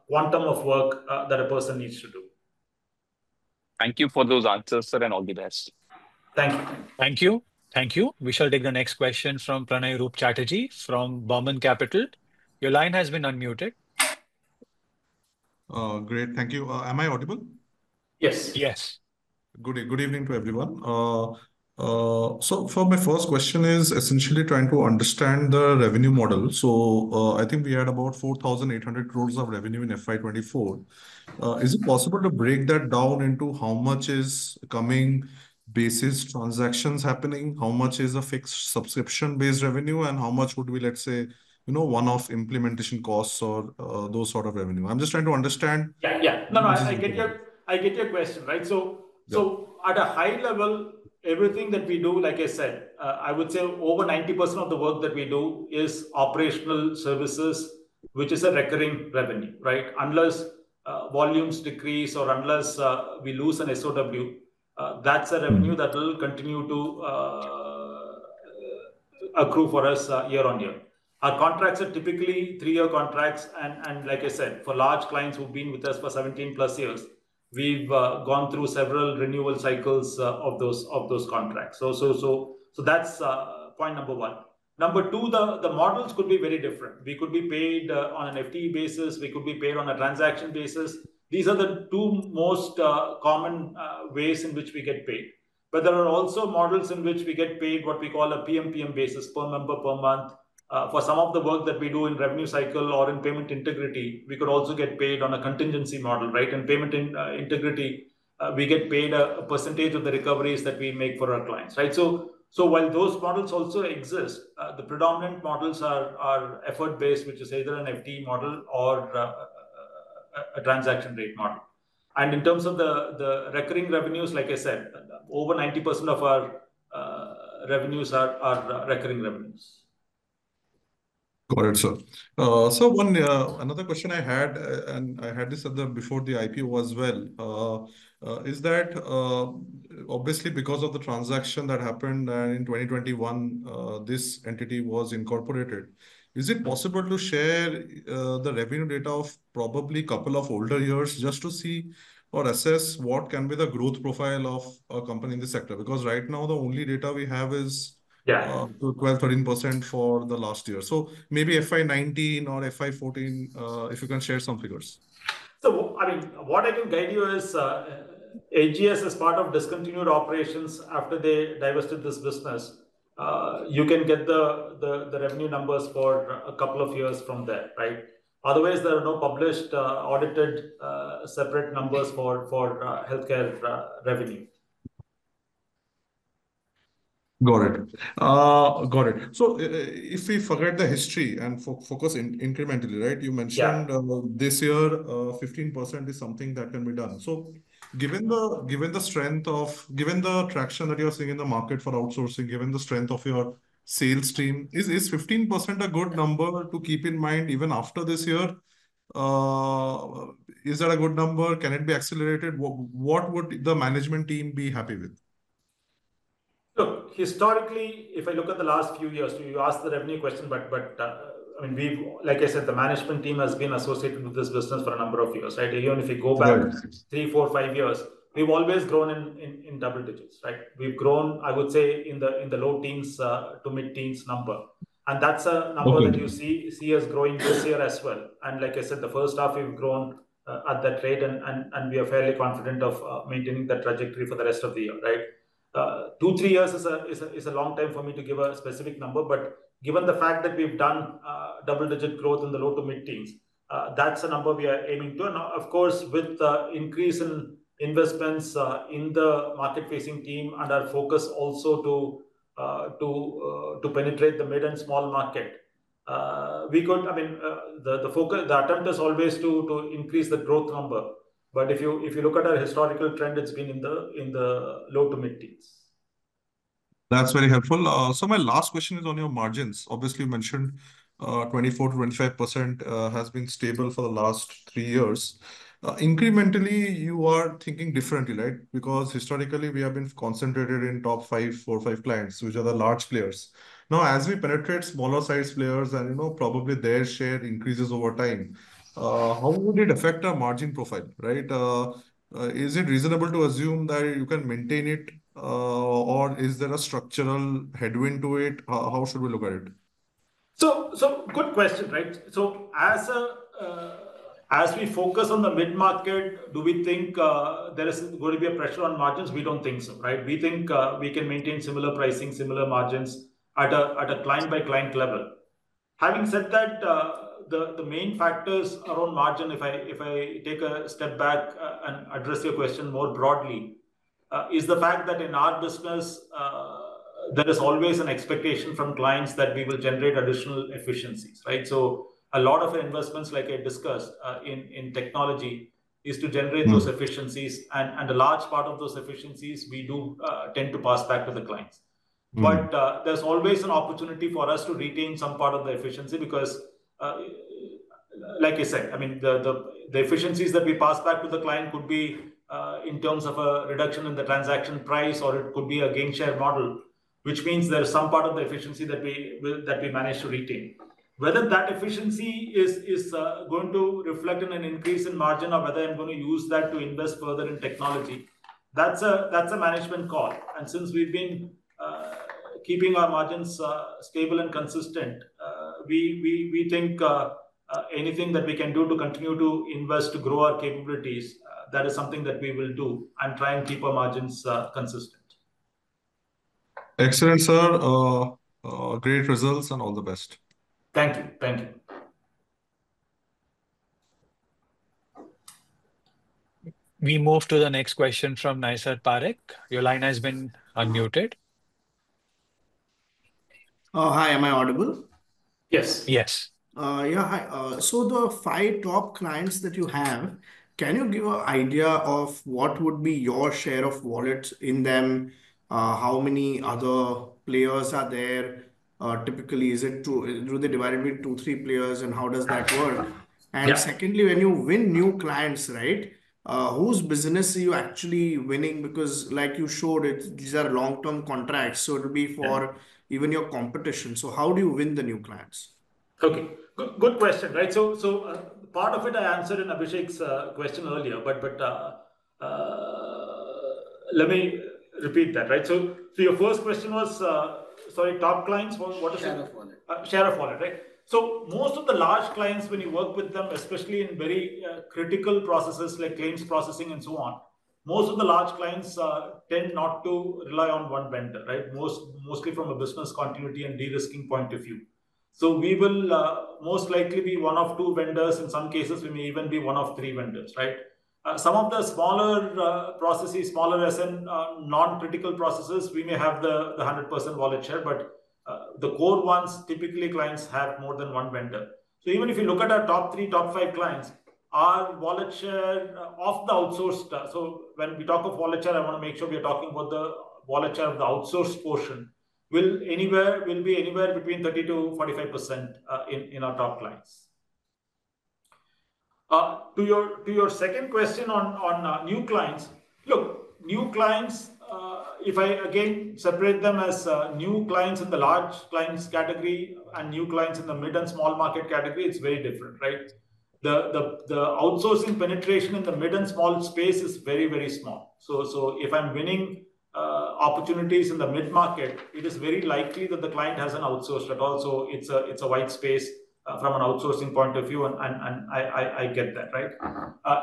quantum of work that a person needs to do. Thank you for those answers, sir, and all the best. Thank you. Thank you. Thank you. We shall take the next question from Pranay Roop Chatterjee from Burman Capital. Your line has been unmuted. Great. Thank you. Am I audible? Yes. Yes. Good evening to everyone. For my first question is essentially trying to understand the revenue model. I think we had about 4,800 crores of revenue in FY24. Is it possible to break that down into how much is coming basis transactions happening, how much is a fixed subscription-based revenue, and how much would be, let's say, one-off implementation costs or those sort of revenue? I'm just trying to understand. Yeah, yeah. No, no, I get your question, right? So at a high level, everything that we do, like I said, I would say over 90% of the work that we do is operational services, which is a recurring revenue, right? Unless volumes decrease or unless we lose an SOW, that's a revenue that will continue to accrue for us year on year. Our contracts are typically three-year contracts. And like I said, for large clients who've been with us for 17 plus years, we've gone through several renewal cycles of those contracts. So that's point number one. Number two, the models could be very different. We could be paid on an FTE basis. We could be paid on a transaction basis. These are the two most common ways in which we get paid. But there are also models in which we get paid what we call a PMPM basis, per member, per month. For some of the work that we do in revenue cycle or in payment integrity, we could also get paid on a contingency model, right? In payment integrity, we get paid a percentage of the recoveries that we make for our clients, right? So while those models also exist, the predominant models are effort-based, which is either an FTE model or a transaction rate model. And in terms of the recurring revenues, like I said, over 90% of our revenues are recurring revenues. Got it, sir. So another question I had, and I had this before the IPO as well, is that obviously because of the transaction that happened in 2021, this entity was incorporated. Is it possible to share the revenue data of probably a couple of older years just to see or assess what can be the growth profile of a company in the sector? Because right now, the only data we have is 12%-13% for the last year. So maybe FY2019 or FY2014, if you can share some figures? So I mean, what I can guide you is HGS is part of discontinued operations after they divested this business. You can get the revenue numbers for a couple of years from there, right? Otherwise, there are no published audited separate numbers for healthcare revenue. Got it. Got it. So if we forget the history and focus incrementally, right? You mentioned this year, 15% is something that can be done. So given the strength of, given the traction that you're seeing in the market for outsourcing, given the strength of your sales team, is 15% a good number to keep in mind even after this year? Is that a good number? Can it be accelerated? What would the management team be happy with? Look, historically, if I look at the last few years, you asked the revenue question, but I mean, like I said, the management team has been associated with this business for a number of years, right? Even if you go back three, four, five years, we've always grown in double digits, right? We've grown, I would say, in the low teens to mid-teens number. And that's a number that you see us growing this year as well. And like I said, the first half, we've grown at that rate, and we are fairly confident of maintaining that trajectory for the rest of the year, right? Two, three years is a long time for me to give a specific number, but given the fact that we've done double-digit growth in the low to mid-teens, that's a number we are aiming to. And of course, with the increase in investments in the market-facing team and our focus also to penetrate the mid and small market, we could, I mean, the attempt is always to increase the growth number. But if you look at our historical trend, it's been in the low to mid-teens. That's very helpful. So my last question is on your margins. Obviously, you mentioned 24%-25% has been stable for the last three years. Incrementally, you are thinking differently, right? Because historically, we have been concentrated in top five, four, five clients, which are the large players. Now, as we penetrate smaller-sized players and probably their share increases over time, how would it affect our margin profile, right? Is it reasonable to assume that you can maintain it, or is there a structural headwind to it? How should we look at it? So good question, right? So as we focus on the mid-market, do we think there is going to be a pressure on margins? We don't think so, right? We think we can maintain similar pricing, similar margins at a client-by-client level. Having said that, the main factors around margin, if I take a step back and address your question more broadly, is the fact that in our business, there is always an expectation from clients that we will generate additional efficiencies, right? So a lot of investments, like I discussed in technology, is to generate those efficiencies. And a large part of those efficiencies, we do tend to pass back to the clients. There's always an opportunity for us to retain some part of the efficiency because, like I said, I mean, the efficiencies that we pass back to the client could be in terms of a reduction in the transaction price, or it could be a gain share model, which means there is some part of the efficiency that we manage to retain. Whether that efficiency is going to reflect in an increase in margin or whether I'm going to use that to invest further in technology, that's a management call. And since we've been keeping our margins stable and consistent, we think anything that we can do to continue to invest, to grow our capabilities, that is something that we will do and try and keep our margins consistent. Excellent, sir. Great results and all the best. Thank you. Thank you. We move to the next question from Naysar Parikh. Your line has been unmuted. Oh, hi. Am I audible? Yes. Yes. Yeah, hi. So the five top clients that you have, can you give an idea of what would be your share of wallets in them? How many other players are there? Typically, do they divide it between two, three players, and how does that work? And secondly, when you win new clients, right, whose business are you actually winning? Because like you showed, these are long-term contracts. So it'll be for even your competition. So how do you win the new clients? Okay. Good question, right? So part of it, I answered in Abhishek's question earlier, but let me repeat that, right? So your first question was, sorry, top clients, what is it? Share of wallet. Share of wallet, right? So most of the large clients, when you work with them, especially in very critical processes like claims processing and so on, most of the large clients tend not to rely on one vendor, right? Mostly from a business continuity and de-risking point of view. So we will most likely be one of two vendors. In some cases, we may even be one of three vendors, right? Some of the smaller processes, smaller non-critical processes, we may have the 100% wallet share, but the core ones, typically, clients have more than one vendor. So even if you look at our top three, top five clients, our wallet share of the outsourced, so when we talk of wallet share, I want to make sure we are talking about the wallet share of the outsourced portion, will be anywhere between 30%-45% in our top clients. To your second question on new clients, look, new clients, if I again separate them as new clients in the large clients category and new clients in the mid and small market category, it's very different, right? The outsourcing penetration in the mid and small space is very, very small. So if I'm winning opportunities in the mid-market, it is very likely that the client hasn't outsourced at all. So it's a white space from an outsourcing point of view, and I get that, right?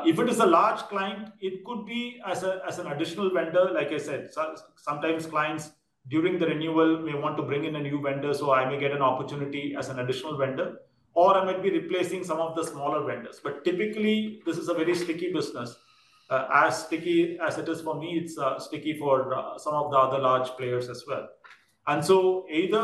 If it is a large client, it could be as an additional vendor, like I said. Sometimes clients during the renewal may want to bring in a new vendor, so I may get an opportunity as an additional vendor, or I might be replacing some of the smaller vendors. But typically, this is a very sticky business. As sticky as it is for me, it's sticky for some of the other large players as well, and so either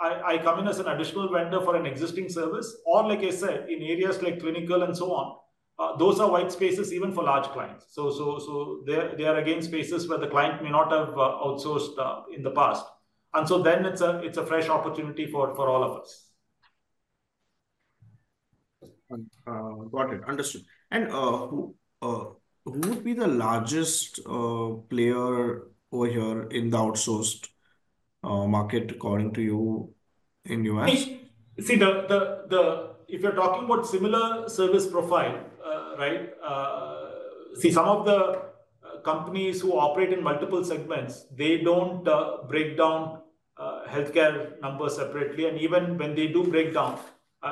I come in as an additional vendor for an existing service, or like I said, in areas like clinical and so on, those are white spaces even for large clients, so they are again spaces where the client may not have outsourced in the past, and so then it's a fresh opportunity for all of us. Got it. Understood. And who would be the largest player over here in the outsourced market, according to you, in the U.S.? See, if you're talking about similar service profile, right, see, some of the companies who operate in multiple segments, they don't break down healthcare numbers separately. And even when they do break down,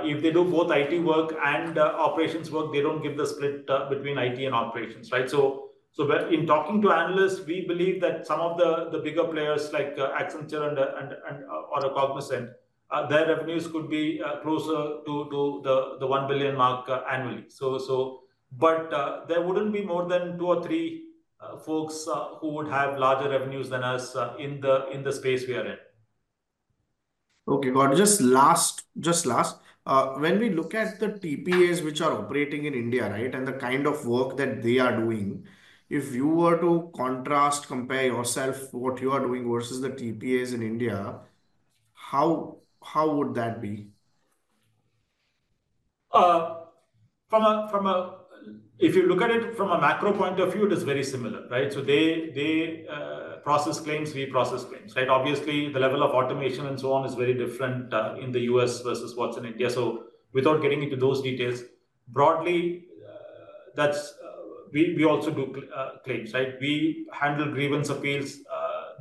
if they do both IT work and operations work, they don't give the split between IT and operations, right? So in talking to analysts, we believe that some of the bigger players like Accenture or Cognizant, their revenues could be closer to the $1 billion mark annually. But there wouldn't be more than two or three folks who would have larger revenues than us in the space we are in. Okay. Just last, when we look at the TPAs which are operating in India, right, and the kind of work that they are doing, if you were to contrast, compare yourself, what you are doing versus the TPAs in India, how would that be? If you look at it from a macro point of view, it is very similar, right? So they process claims, we process claims, right? Obviously, the level of automation and so on is very different in the U.S. versus what's in India. So without getting into those details, broadly, we also do claims, right? We handle grievance appeals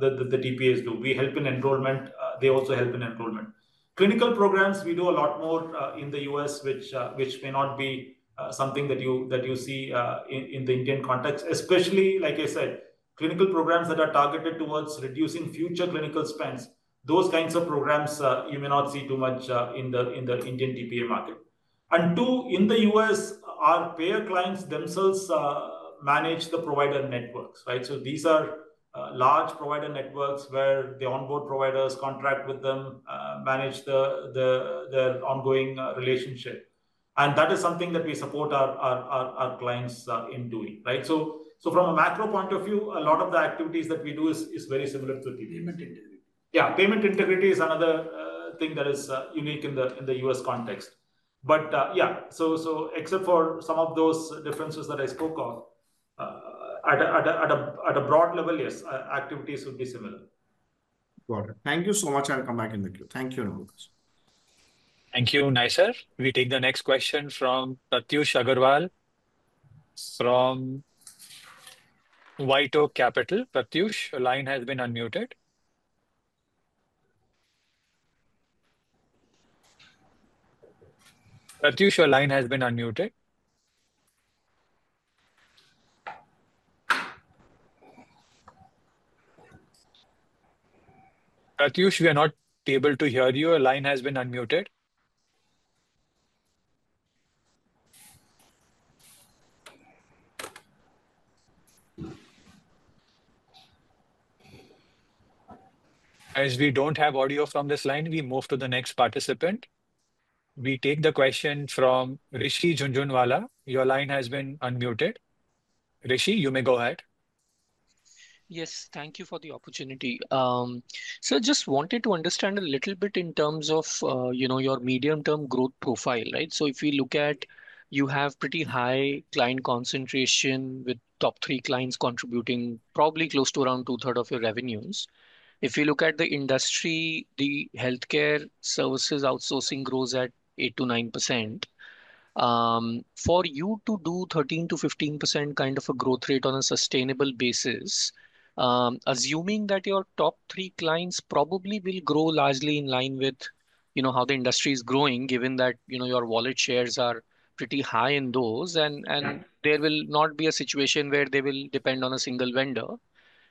that the TPAs do. We help in enrollment. They also help in enrollment. Clinical programs, we do a lot more in the U.S., which may not be something that you see in the Indian context, especially, like I said, clinical programs that are targeted towards reducing future clinical spends. Those kinds of programs, you may not see too much in the Indian TPA market. And two, in the U.S., our payer clients themselves manage the provider networks, right? So these are large provider networks where the onboard providers contract with them, manage their ongoing relationship. And that is something that we support our clients in doing, right? So from a macro point of view, a lot of the activities that we do is very similar to TPAs. Payment integrity. Yeah. Payment integrity is another thing that is unique in the U.S. context. But yeah, so except for some of those differences that I spoke of, at a broad level, yes, activities would be similar. Got it. Thank you so much. I'll come back in the queue. Thank you very much. Thank you, Naysar. We take the next question from Pratyush Agrawal from White Oak Capital. Pratyush, your line has been unmuted. Pratyush, your line has been unmuted. Pratyush, we are not able to hear you. Your line has been unmuted. As we don't have audio from this line, we move to the next participant. We take the question from Rishi Jhunjhunwala. Your line has been unmuted. Rishi, you may go ahead. Yes. Thank you for the opportunity. So I just wanted to understand a little bit in terms of your medium-term growth profile, right? So if we look at, you have pretty high client concentration with top three clients contributing probably close to around two-thirds of your revenues. If you look at the industry, the healthcare services outsourcing grows at 8%-9%. For you to do 13%-15% kind of a growth rate on a sustainable basis, assuming that your top three clients probably will grow largely in line with how the industry is growing, given that your wallet shares are pretty high in those, and there will not be a situation where they will depend on a single vendor,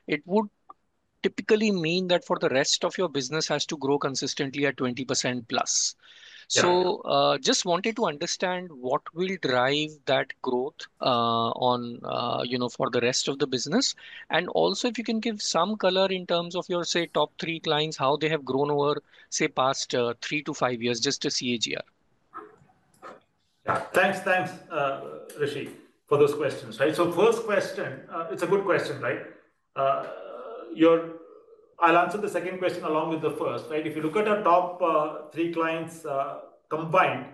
it would typically mean that for the rest of your business has to grow consistently at 20% plus. So just wanted to understand what will drive that growth for the rest of the business. And also, if you can give some color in terms of your, say, top three clients, how they have grown over, say, past three to five years, just to see it here. Thanks, thanks, Rishi, for those questions, right? So first question, it's a good question, right? I'll answer the second question along with the first, right? If you look at our top three clients combined,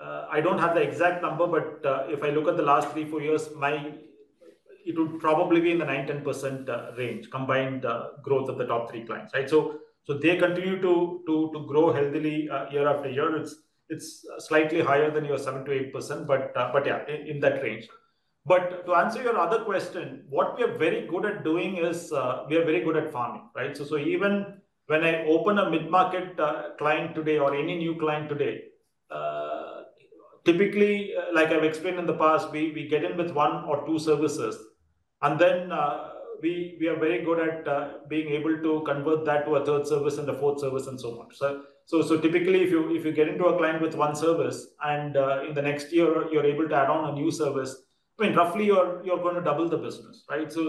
I don't have the exact number, but if I look at the last three, four years, it would probably be in the 9-10% range combined growth of the top three clients, right? So they continue to grow healthily year after year. It's slightly higher than your 7-8%, but yeah, in that range. But to answer your other question, what we are very good at doing is we are very good at farming, right? So even when I open a mid-market client today or any new client today, typically, like I've explained in the past, we get in with one or two services, and then we are very good at being able to convert that to a third service and a fourth service and so on. So typically, if you get into a client with one service and in the next year, you're able to add on a new service, I mean, roughly, you're going to double the business, right? So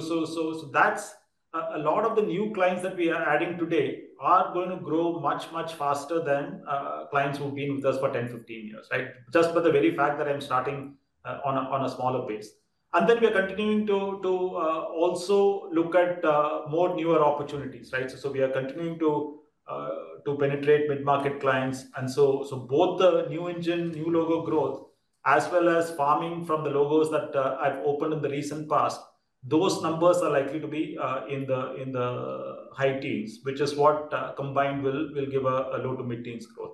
a lot of the new clients that we are adding today are going to grow much, much faster than clients who've been with us for 10, 15 years, right? Just by the very fact that I'm starting on a smaller base. And then we are continuing to also look at more newer opportunities, right? So we are continuing to penetrate mid-market clients. And so both the new inorganic, new logo growth, as well as farming from the logos that I've opened in the recent past, those numbers are likely to be in the high teens, which is what combined will give a low to mid teens growth.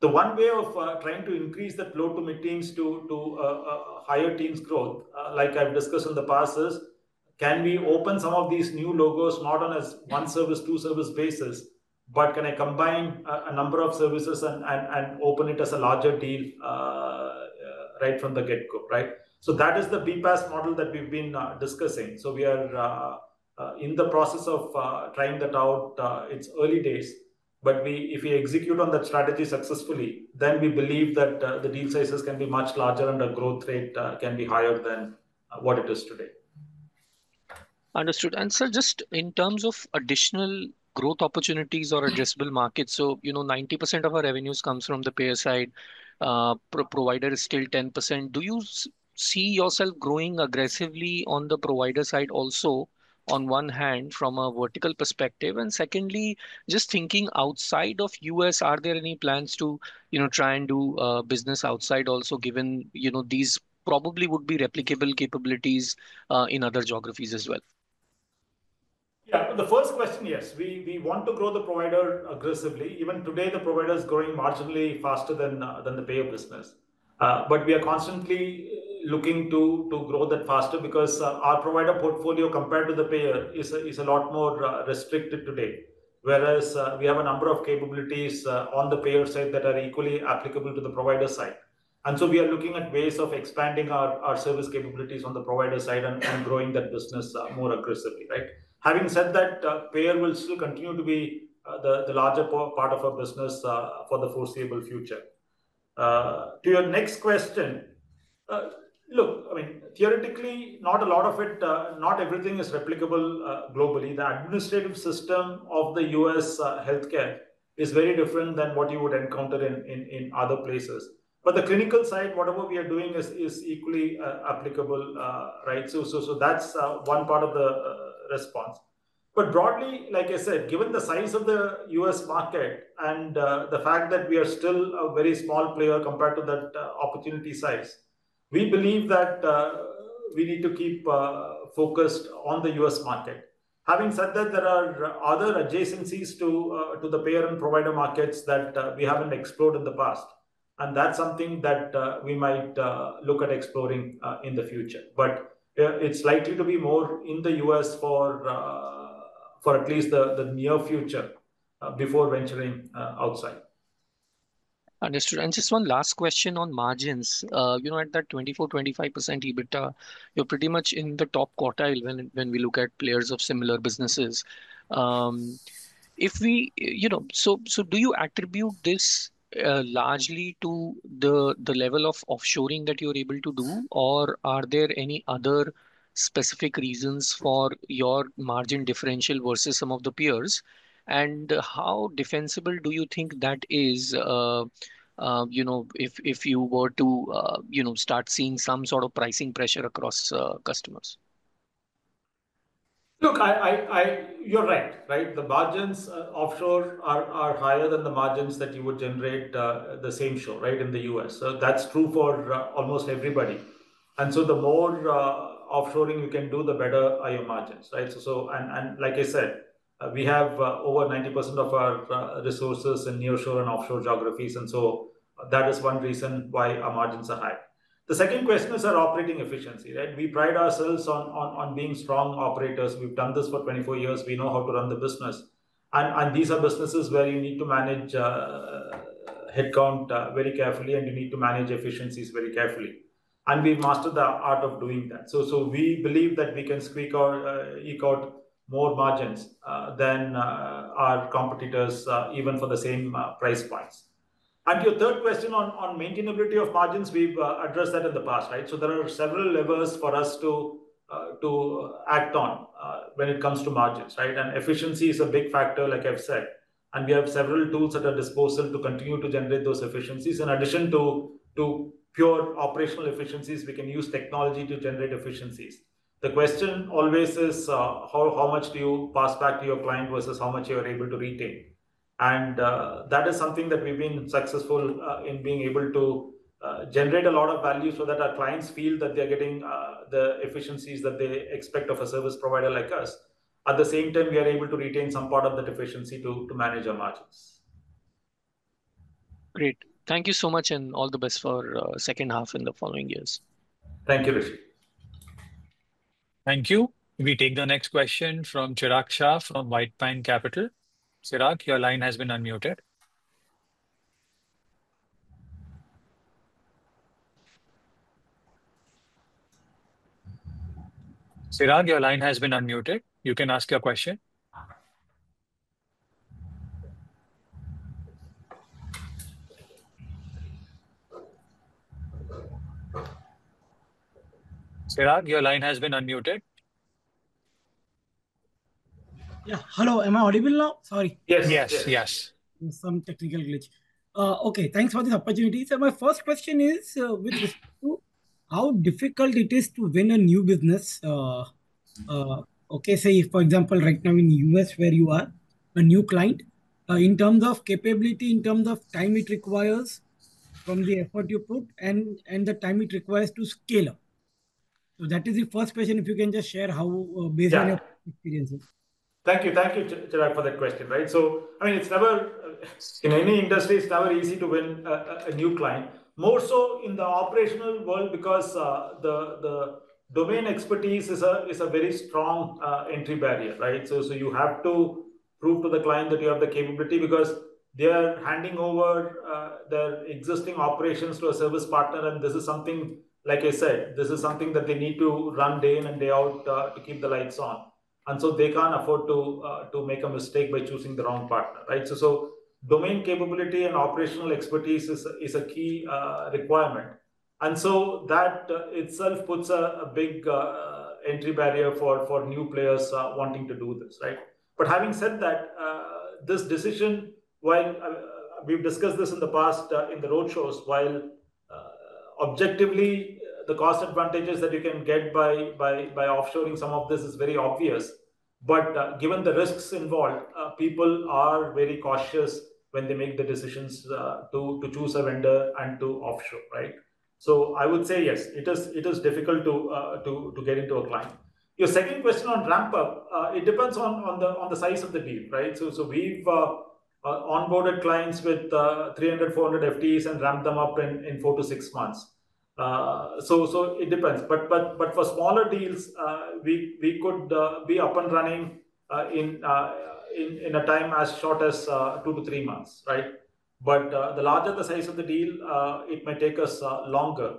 The one way of trying to increase that low to mid teens to higher teens growth, like I've discussed in the past, is can we open some of these new logos not on a one-service, two-service basis, but can I combine a number of services and open it as a larger deal right from the get-go, right? So that is the BPaaS model that we've been discussing. So we are in the process of trying that out. It's early days. But if we execute on that strategy successfully, then we believe that the deal sizes can be much larger and the growth rate can be higher than what it is today. Understood, and so just in terms of additional growth opportunities or addressable markets, so 90% of our revenues comes from the payer side. Provider is still 10%. Do you see yourself growing aggressively on the provider side also, on one hand, from a vertical perspective? And secondly, just thinking outside of U.S., are there any plans to try and do business outside also, given these probably would be replicable capabilities in other geographies as well? Yeah. The first question, yes. We want to grow the provider aggressively. Even today, the provider is growing marginally faster than the payer business. But we are constantly looking to grow that faster because our provider portfolio compared to the payer is a lot more restricted today, whereas we have a number of capabilities on the payer side that are equally applicable to the provider side. And so we are looking at ways of expanding our service capabilities on the provider side and growing that business more aggressively, right? Having said that, payer will still continue to be the larger part of our business for the foreseeable future. To your next question, look, I mean, theoretically, not a lot of it, not everything is replicable globally. The administrative system of the U.S. healthcare is very different than what you would encounter in other places. But the clinical side, whatever we are doing is equally applicable, right? So that's one part of the response. But broadly, like I said, given the size of the U.S. market and the fact that we are still a very small player compared to that opportunity size, we believe that we need to keep focused on the U.S. market. Having said that, there are other adjacencies to the payer and provider markets that we haven't explored in the past. And that's something that we might look at exploring in the future. But it's likely to be more in the U.S. for at least the near future before venturing outside. Understood, and just one last question on margins. You know, at that 24%-25% EBITDA, you're pretty much in the top quartile when we look at players of similar businesses. So do you attribute this largely to the level of offshoring that you're able to do, or are there any other specific reasons for your margin differential versus some of the peers? And how defensible do you think that is if you were to start seeing some sort of pricing pressure across customers? Look, you're right, right? The margins offshore are higher than the margins that you would generate onshore, right, in the US. So that's true for almost everybody. And so the more offshoring you can do, the better are your margins, right? And like I said, we have over 90% of our resources in near-shore and offshore geographies. And so that is one reason why our margins are high. The second question is our operating efficiency, right? We pride ourselves on being strong operators. We've done this for 24 years. We know how to run the business. And these are businesses where you need to manage headcount very carefully, and you need to manage efficiencies very carefully. And we've mastered the art of doing that. So we believe that we can squeak or eke out more margins than our competitors, even for the same price points. And your third question on maintainability of margins, we've addressed that in the past, right? So there are several levers for us to act on when it comes to margins, right? And efficiency is a big factor, like I've said. And we have several tools at our disposal to continue to generate those efficiencies. In addition to pure operational efficiencies, we can use technology to generate efficiencies. The question always is, how much do you pass back to your client versus how much you are able to retain? And that is something that we've been successful in being able to generate a lot of value so that our clients feel that they're getting the efficiencies that they expect of a service provider like us. At the same time, we are able to retain some part of that efficiency to manage our margins. Great. Thank you so much, and all the best for the second half in the following years. Thank you, Rishi. Thank you. We take the next question from Chirag Shah from White Pine Capital. Chirag, your line has been unmuted. You can ask your question. Yeah. Hello. Am I audible now? Sorry. Yes, yes, yes. Some technical glitch. Okay. Thanks for this opportunity. So my first question is with respect to how difficult it is to win a new business. Okay. Say, for example, right now in the U.S. where you are, a new client, in terms of capability, in terms of time it requires from the effort you put and the time it requires to scale up. So that is the first question. If you can just share how based on your experiences. Thank you. Thank you, Chirag, for that question, right? So I mean, in any industry, it's never easy to win a new client, more so in the operational world because the domain expertise is a very strong entry barrier, right? So you have to prove to the client that you have the capability because they are handing over their existing operations to a service partner. And this is something, like I said, this is something that they need to run day in and day out to keep the lights on. And so they can't afford to make a mistake by choosing the wrong partner, right? So domain capability and operational expertise is a key requirement. And so that itself puts a big entry barrier for new players wanting to do this, right? But having said that, this decision, while we've discussed this in the past in the roadshows, while objectively, the cost advantages that you can get by offshoring some of this is very obvious. But given the risks involved, people are very cautious when they make the decisions to choose a vendor and to offshore, right? So I would say, yes, it is difficult to get into a client. Your second question on ramp-up, it depends on the size of the deal, right? So we've onboarded clients with 300, 400 FTEs and ramped them up in four to six months. So it depends. But for smaller deals, we could be up and running in a time as short as two to three months, right? But the larger the size of the deal, it may take us longer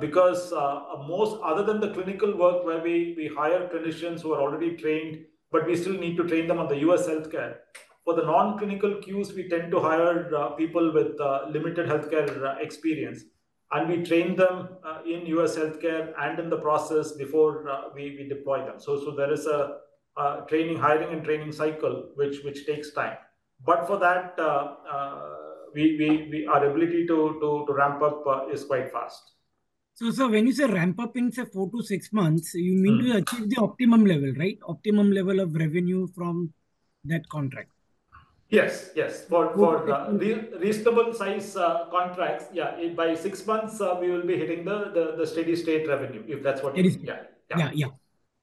because other than the clinical work where we hire clinicians who are already trained, but we still need to train them on the U.S. healthcare. For the non-clinical queues, we tend to hire people with limited healthcare experience. And we train them in U.S. healthcare and in the process before we deploy them. So there is a training, hiring, and training cycle which takes time. But for that, our ability to ramp up is quite fast. So when you say ramp-up in, say, four to six months, you mean to achieve the optimum level, right? Optimum level of revenue from that contract? Yes, yes. For reasonable size contracts, yeah, by six months, we will be hitting the steady-state revenue if that's what you're saying. Yeah, yeah.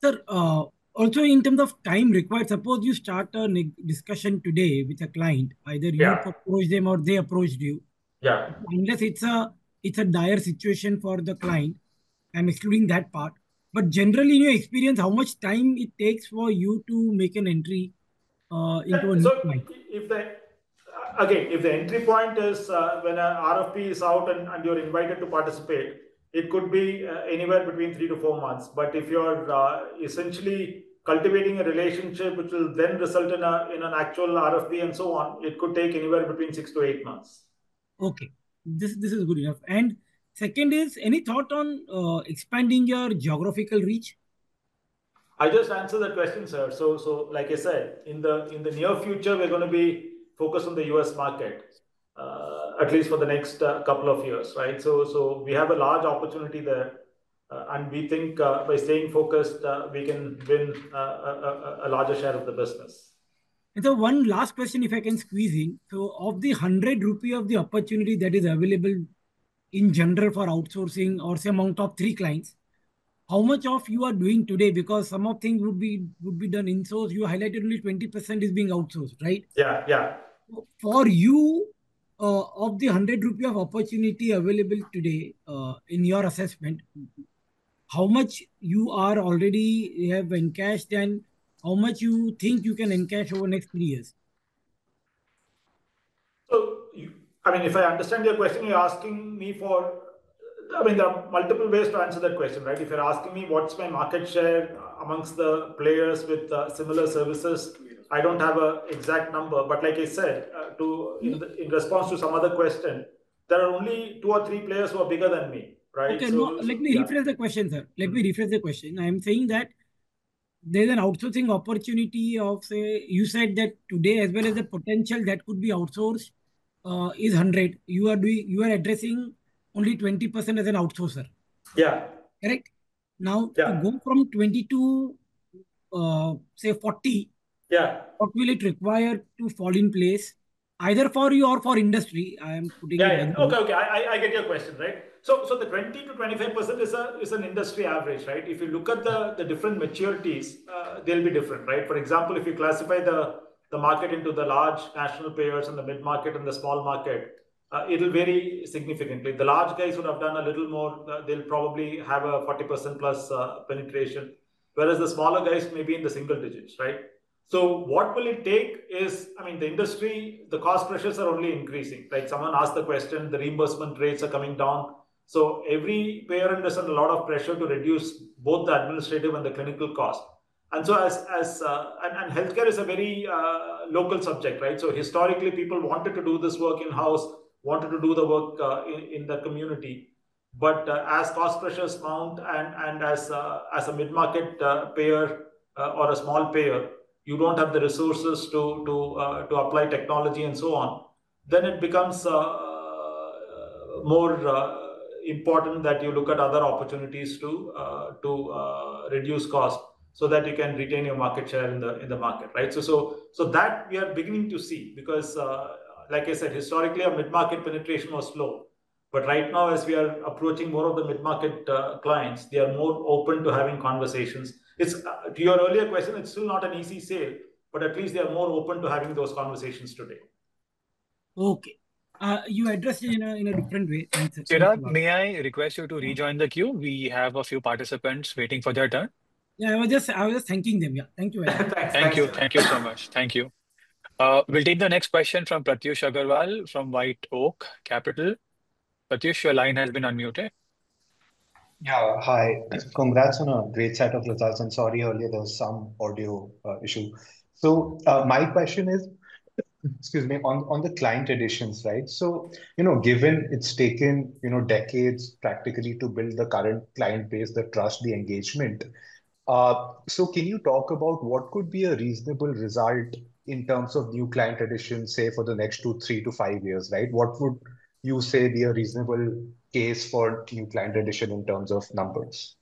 Sir, also in terms of time required, suppose you start a discussion today with a client, either you approach them or they approached you. Unless it's a dire situation for the client, I'm excluding that part. But generally, in your experience, how much time it takes for you to make an entry into a new client? Again, if the entry point is when an RFP is out and you're invited to participate, it could be anywhere between three to four months. But if you're essentially cultivating a relationship which will then result in an actual RFP and so on, it could take anywhere between six to eight months. Okay. This is good enough. And second is, any thought on expanding your geographical reach? I just answered that question, sir, so like I said, in the near future, we're going to be focused on the U.S. market, at least for the next couple of years, right, so we have a large opportunity there, and we think by staying focused, we can win a larger share of the business. And so one last question, if I can squeeze in. So of the 100 rupee of the opportunity that is available in general for outsourcing, or say among top three clients, how much of you are doing today? Because some of things would be done onshore. You highlighted only 20% is being outsourced, right? Yeah, yeah. For you, of the 100 rupee of opportunity available today in your assessment, how much you are already have encashed, and how much you think you can encash over the next three years? So I mean, if I understand your question, you're asking me for I mean, there are multiple ways to answer that question, right? If you're asking me what's my market share amongst the players with similar services, I don't have an exact number. But like I said, in response to some other question, there are only two or three players who are bigger than me, right? Okay. Let me rephrase the question, sir. I'm saying that there's an outsourcing opportunity of, say, you said that today, as well as the potential that could be outsourced, is 100. You are addressing only 20% as an outsourcer. Yeah. Correct? Now, to go from 20 to, say, 40, what will it require to fall in place? Either for you or for industry, I am putting it. Okay, okay. I get your question, right? So the 20%-25% is an industry average, right? If you look at the different maturities, they'll be different, right? For example, if you classify the market into the large national payers and the mid-market and the small market, it'll vary significantly. The large guys would have done a little more. They'll probably have a 40% plus penetration, whereas the smaller guys may be in the single digits, right? So what will it take is, I mean, the industry, the cost pressures are only increasing. Like someone asked the question, the reimbursement rates are coming down. So every payer understands a lot of pressure to reduce both the administrative and the clinical cost. And healthcare is a very local subject, right? So historically, people wanted to do this work in-house, wanted to do the work in the community. But as cost pressures mount and as a mid-market payer or a small payer, you don't have the resources to apply technology and so on, then it becomes more important that you look at other opportunities to reduce cost so that you can retain your market share in the market, right? So that we are beginning to see because, like I said, historically, our mid-market penetration was slow. But right now, as we are approaching more of the mid-market clients, they are more open to having conversations. To your earlier question, it's still not an easy sale, but at least they are more open to having those conversations today. Okay. You addressed it in a different way. Chirag, may I request you to rejoin the queue? We have a few participants waiting for their turn. Yeah, I was just thanking them. Yeah. Thank you very much. Thank you. Thank you so much. Thank you. We'll take the next question from Pratyush Agrawal from White Oak Capital. Pratyush, your line has been unmuted. Yeah. Hi. Congrats on a great set of results. Sorry, earlier, there was some audio issue. My question is, excuse me, on the client additions, right? Given it's taken decades practically to build the current client base that trusts the engagement, so can you talk about what could be a reasonable result in terms of new client addition, say, for the next two, three to five years, right? What would you say be a reasonable case for new client addition in terms of numbers?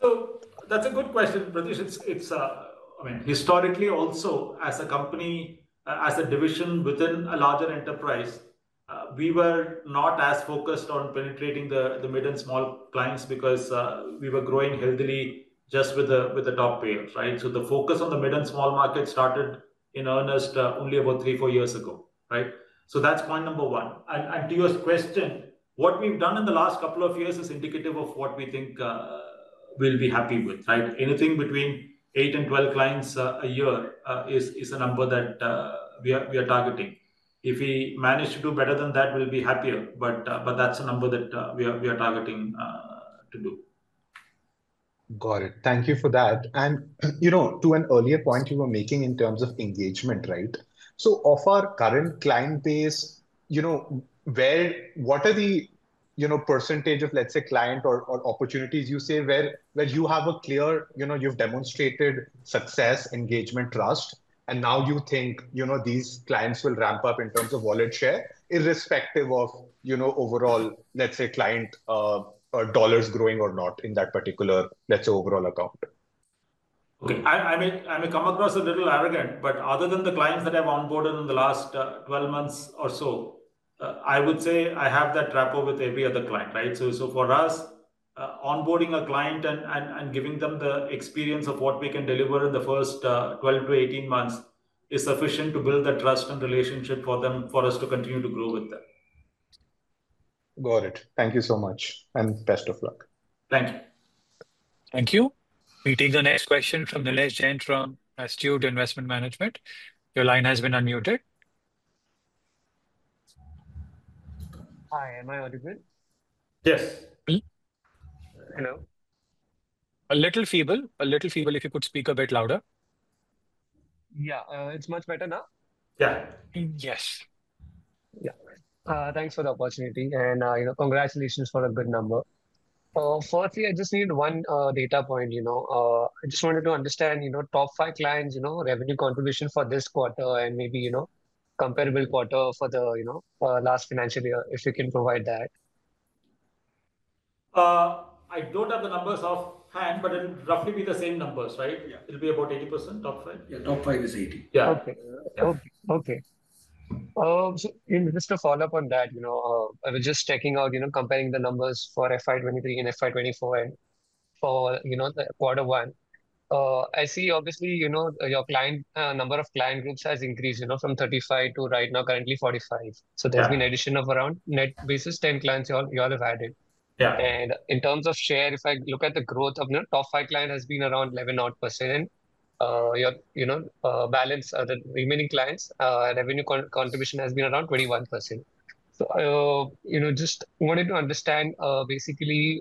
So that's a good question, Pratyush. I mean, historically, also as a company, as a division within a larger enterprise, we were not as focused on penetrating the mid and small clients because we were growing heavily just with the top payers, right? So the focus on the mid and small market started in earnest only about three, four years ago, right? So that's point number one. And to your question, what we've done in the last couple of years is indicative of what we think we'll be happy with, right? Anything between eight and 12 clients a year is a number that we are targeting. If we manage to do better than that, we'll be happier. But that's a number that we are targeting to do. Got it. Thank you for that. And to an earlier point you were making in terms of engagement, right? So of our current client base, what are the percentage of, let's say, client or opportunities you say where you have a clear you've demonstrated success, engagement, trust, and now you think these clients will ramp up in terms of wallet share, irrespective of overall, let's say, client dollars growing or not in that particular, let's say, overall account? Okay. I may come across a little arrogant, but other than the clients that I've onboarded in the last 12 months or so, I would say I have that rapport with every other client, right? So for us, onboarding a client and giving them the experience of what we can deliver in the first 12 to 18 months is sufficient to build the trust and relationship for us to continue to grow with them. Got it. Thank you so much. And best of luck. Thank you. Thank you. We take the next question from Nilesh Jain from Astute Investment Management. Your line has been unmuted. Hi. Am I audible? Yes. Hello. A little feeble. A little feeble if you could speak a bit louder. Yeah. It's much better now? Yeah. Yes. Yeah. Thanks for the opportunity, and congratulations for a good number. Firstly, I just need one data point. I just wanted to understand top five clients' revenue contribution for this quarter and maybe comparable quarter for the last financial year, if you can provide that. I don't have the numbers offhand, but it'll roughly be the same numbers, right? It'll be about 80%, top five? Yeah. Top five is 80. Yeah. Okay. Okay. So just to follow up on that, I was just checking out, comparing the numbers for FY23 and FY24 and for quarter one. I see, obviously, your number of client groups has increased from 35 to right now, currently 45. So there's been an addition of around, net basis, 10 clients you all have added. And in terms of share, if I look at the growth of top five clients, it has been around 11%. And your balance, the remaining clients, revenue contribution has been around 21%. So just wanted to understand, basically,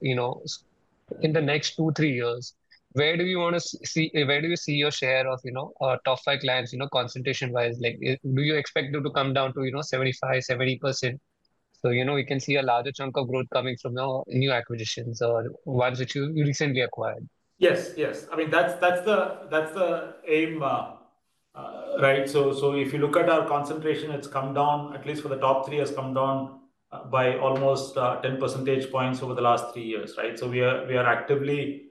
in the next two, three years, where do you want to see where do you see your share of top five clients concentration-wise? Do you expect them to come down to 75, 70%? So we can see a larger chunk of growth coming from new acquisitions or ones that you recently acquired. Yes, yes. I mean, that's the aim, right? So if you look at our concentration, it's come down, at least for the top three, has come down by almost 10 percentage points over the last three years, right? So we are actively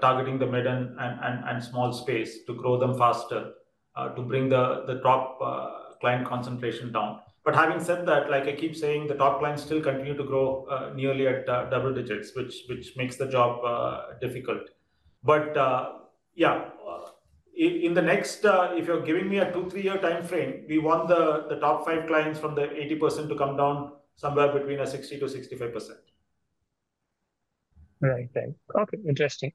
targeting the mid and small space to grow them faster, to bring the top client concentration down. But having said that, like I keep saying, the top clients still continue to grow nearly at double digits, which makes the job difficult. But yeah, in the next, if you're giving me a two, three-year time frame, we want the top five clients from the 80% to come down somewhere between 60%-65%. Right. Right. Okay. Interesting.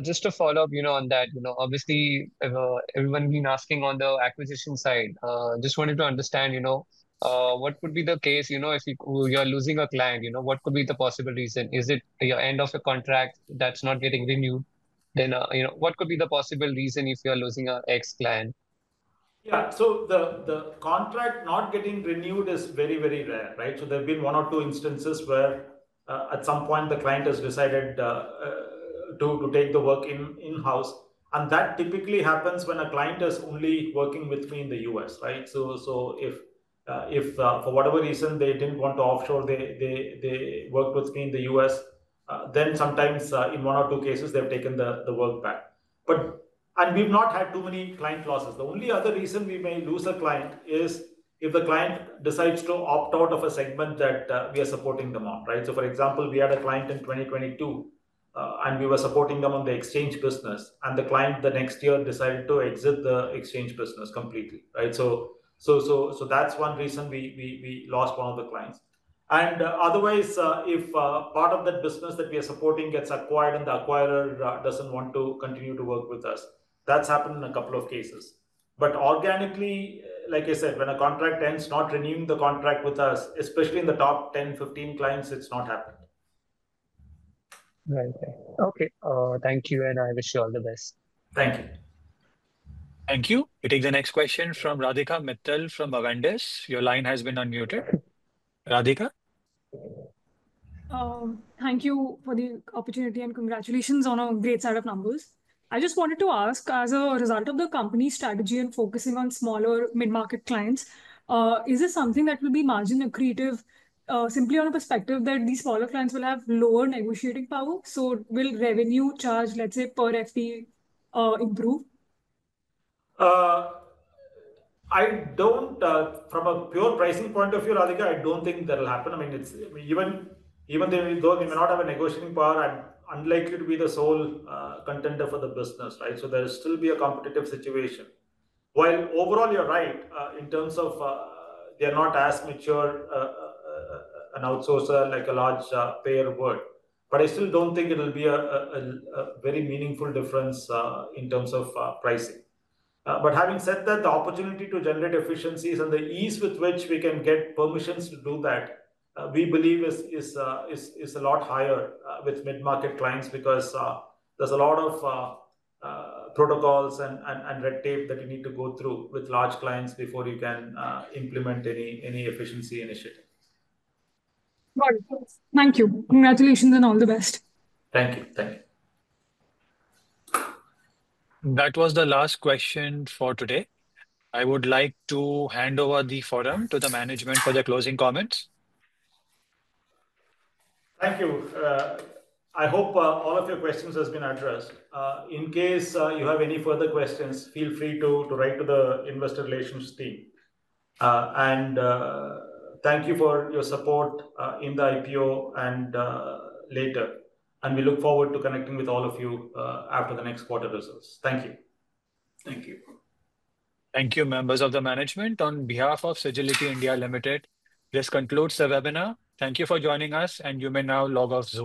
Just to follow up on that, obviously, everyone has been asking on the acquisition side. Just wanted to understand, what would be the case if you are losing a client? What could be the possible reason? Is it the end of a contract that's not getting renewed? Then what could be the possible reason if you are losing an existing client? Yeah. So the contract not getting renewed is very, very rare, right? So there have been one or two instances where at some point, the client has decided to take the work in-house. And that typically happens when a client is only working with us in the U.S., right? So if for whatever reason they didn't want to offshore, they worked with us in the U.S., then sometimes in one or two cases, they've taken the work back. And we've not had too many client losses. The only other reason we may lose a client is if the client decides to opt out of a segment that we are supporting them on, right? So for example, we had a client in 2022, and we were supporting them on the exchange business. And the client the next year decided to exit the exchange business completely, right? So that's one reason we lost one of the clients. And otherwise, if part of that business that we are supporting gets acquired and the acquirer doesn't want to continue to work with us, that's happened in a couple of cases. But organically, like I said, when a contract ends, not renewing the contract with us, especially in the top 10, 15 clients, it's not happened. Right. Okay. Thank you. And I wish you all the best. Thank you. Thank you. We take the next question from Radhika Mittal from Avendus. Your line has been unmuted. Radhika? Thank you for the opportunity and congratulations on a great set of numbers. I just wanted to ask, as a result of the company's strategy and focusing on smaller mid-market clients, is this something that will be marginally accretive simply on a perspective that these smaller clients will have lower negotiating power? So will revenue charge, let's say, per FTE improve? From a pure pricing point of view, Radhika, I don't think that will happen. I mean, even though they may not have a negotiating power, I'm unlikely to be the sole contender for the business, right? So there'll still be a competitive situation. While overall, you're right in terms of they're not as mature an outsourcer like a large payer would. But I still don't think it'll be a very meaningful difference in terms of pricing. But having said that, the opportunity to generate efficiencies and the ease with which we can get permissions to do that, we believe is a lot higher with mid-market clients because there's a lot of protocols and red tape that you need to go through with large clients before you can implement any efficiency initiative. Got it. Thank you. Congratulations and all the best. Thank you. Thank you. That was the last question for today. I would like to hand over the forum to the management for their closing comments. Thank you. I hope all of your questions have been addressed. In case you have any further questions, feel free to write to the investor relations team. And thank you for your support in the IPO and later. And we look forward to connecting with all of you after the next quarter results. Thank you. Thank you. Thank you, members of the management. On behalf of Sagility India Limited, this concludes the webinar. Thank you for joining us, and you may now log off Zoom.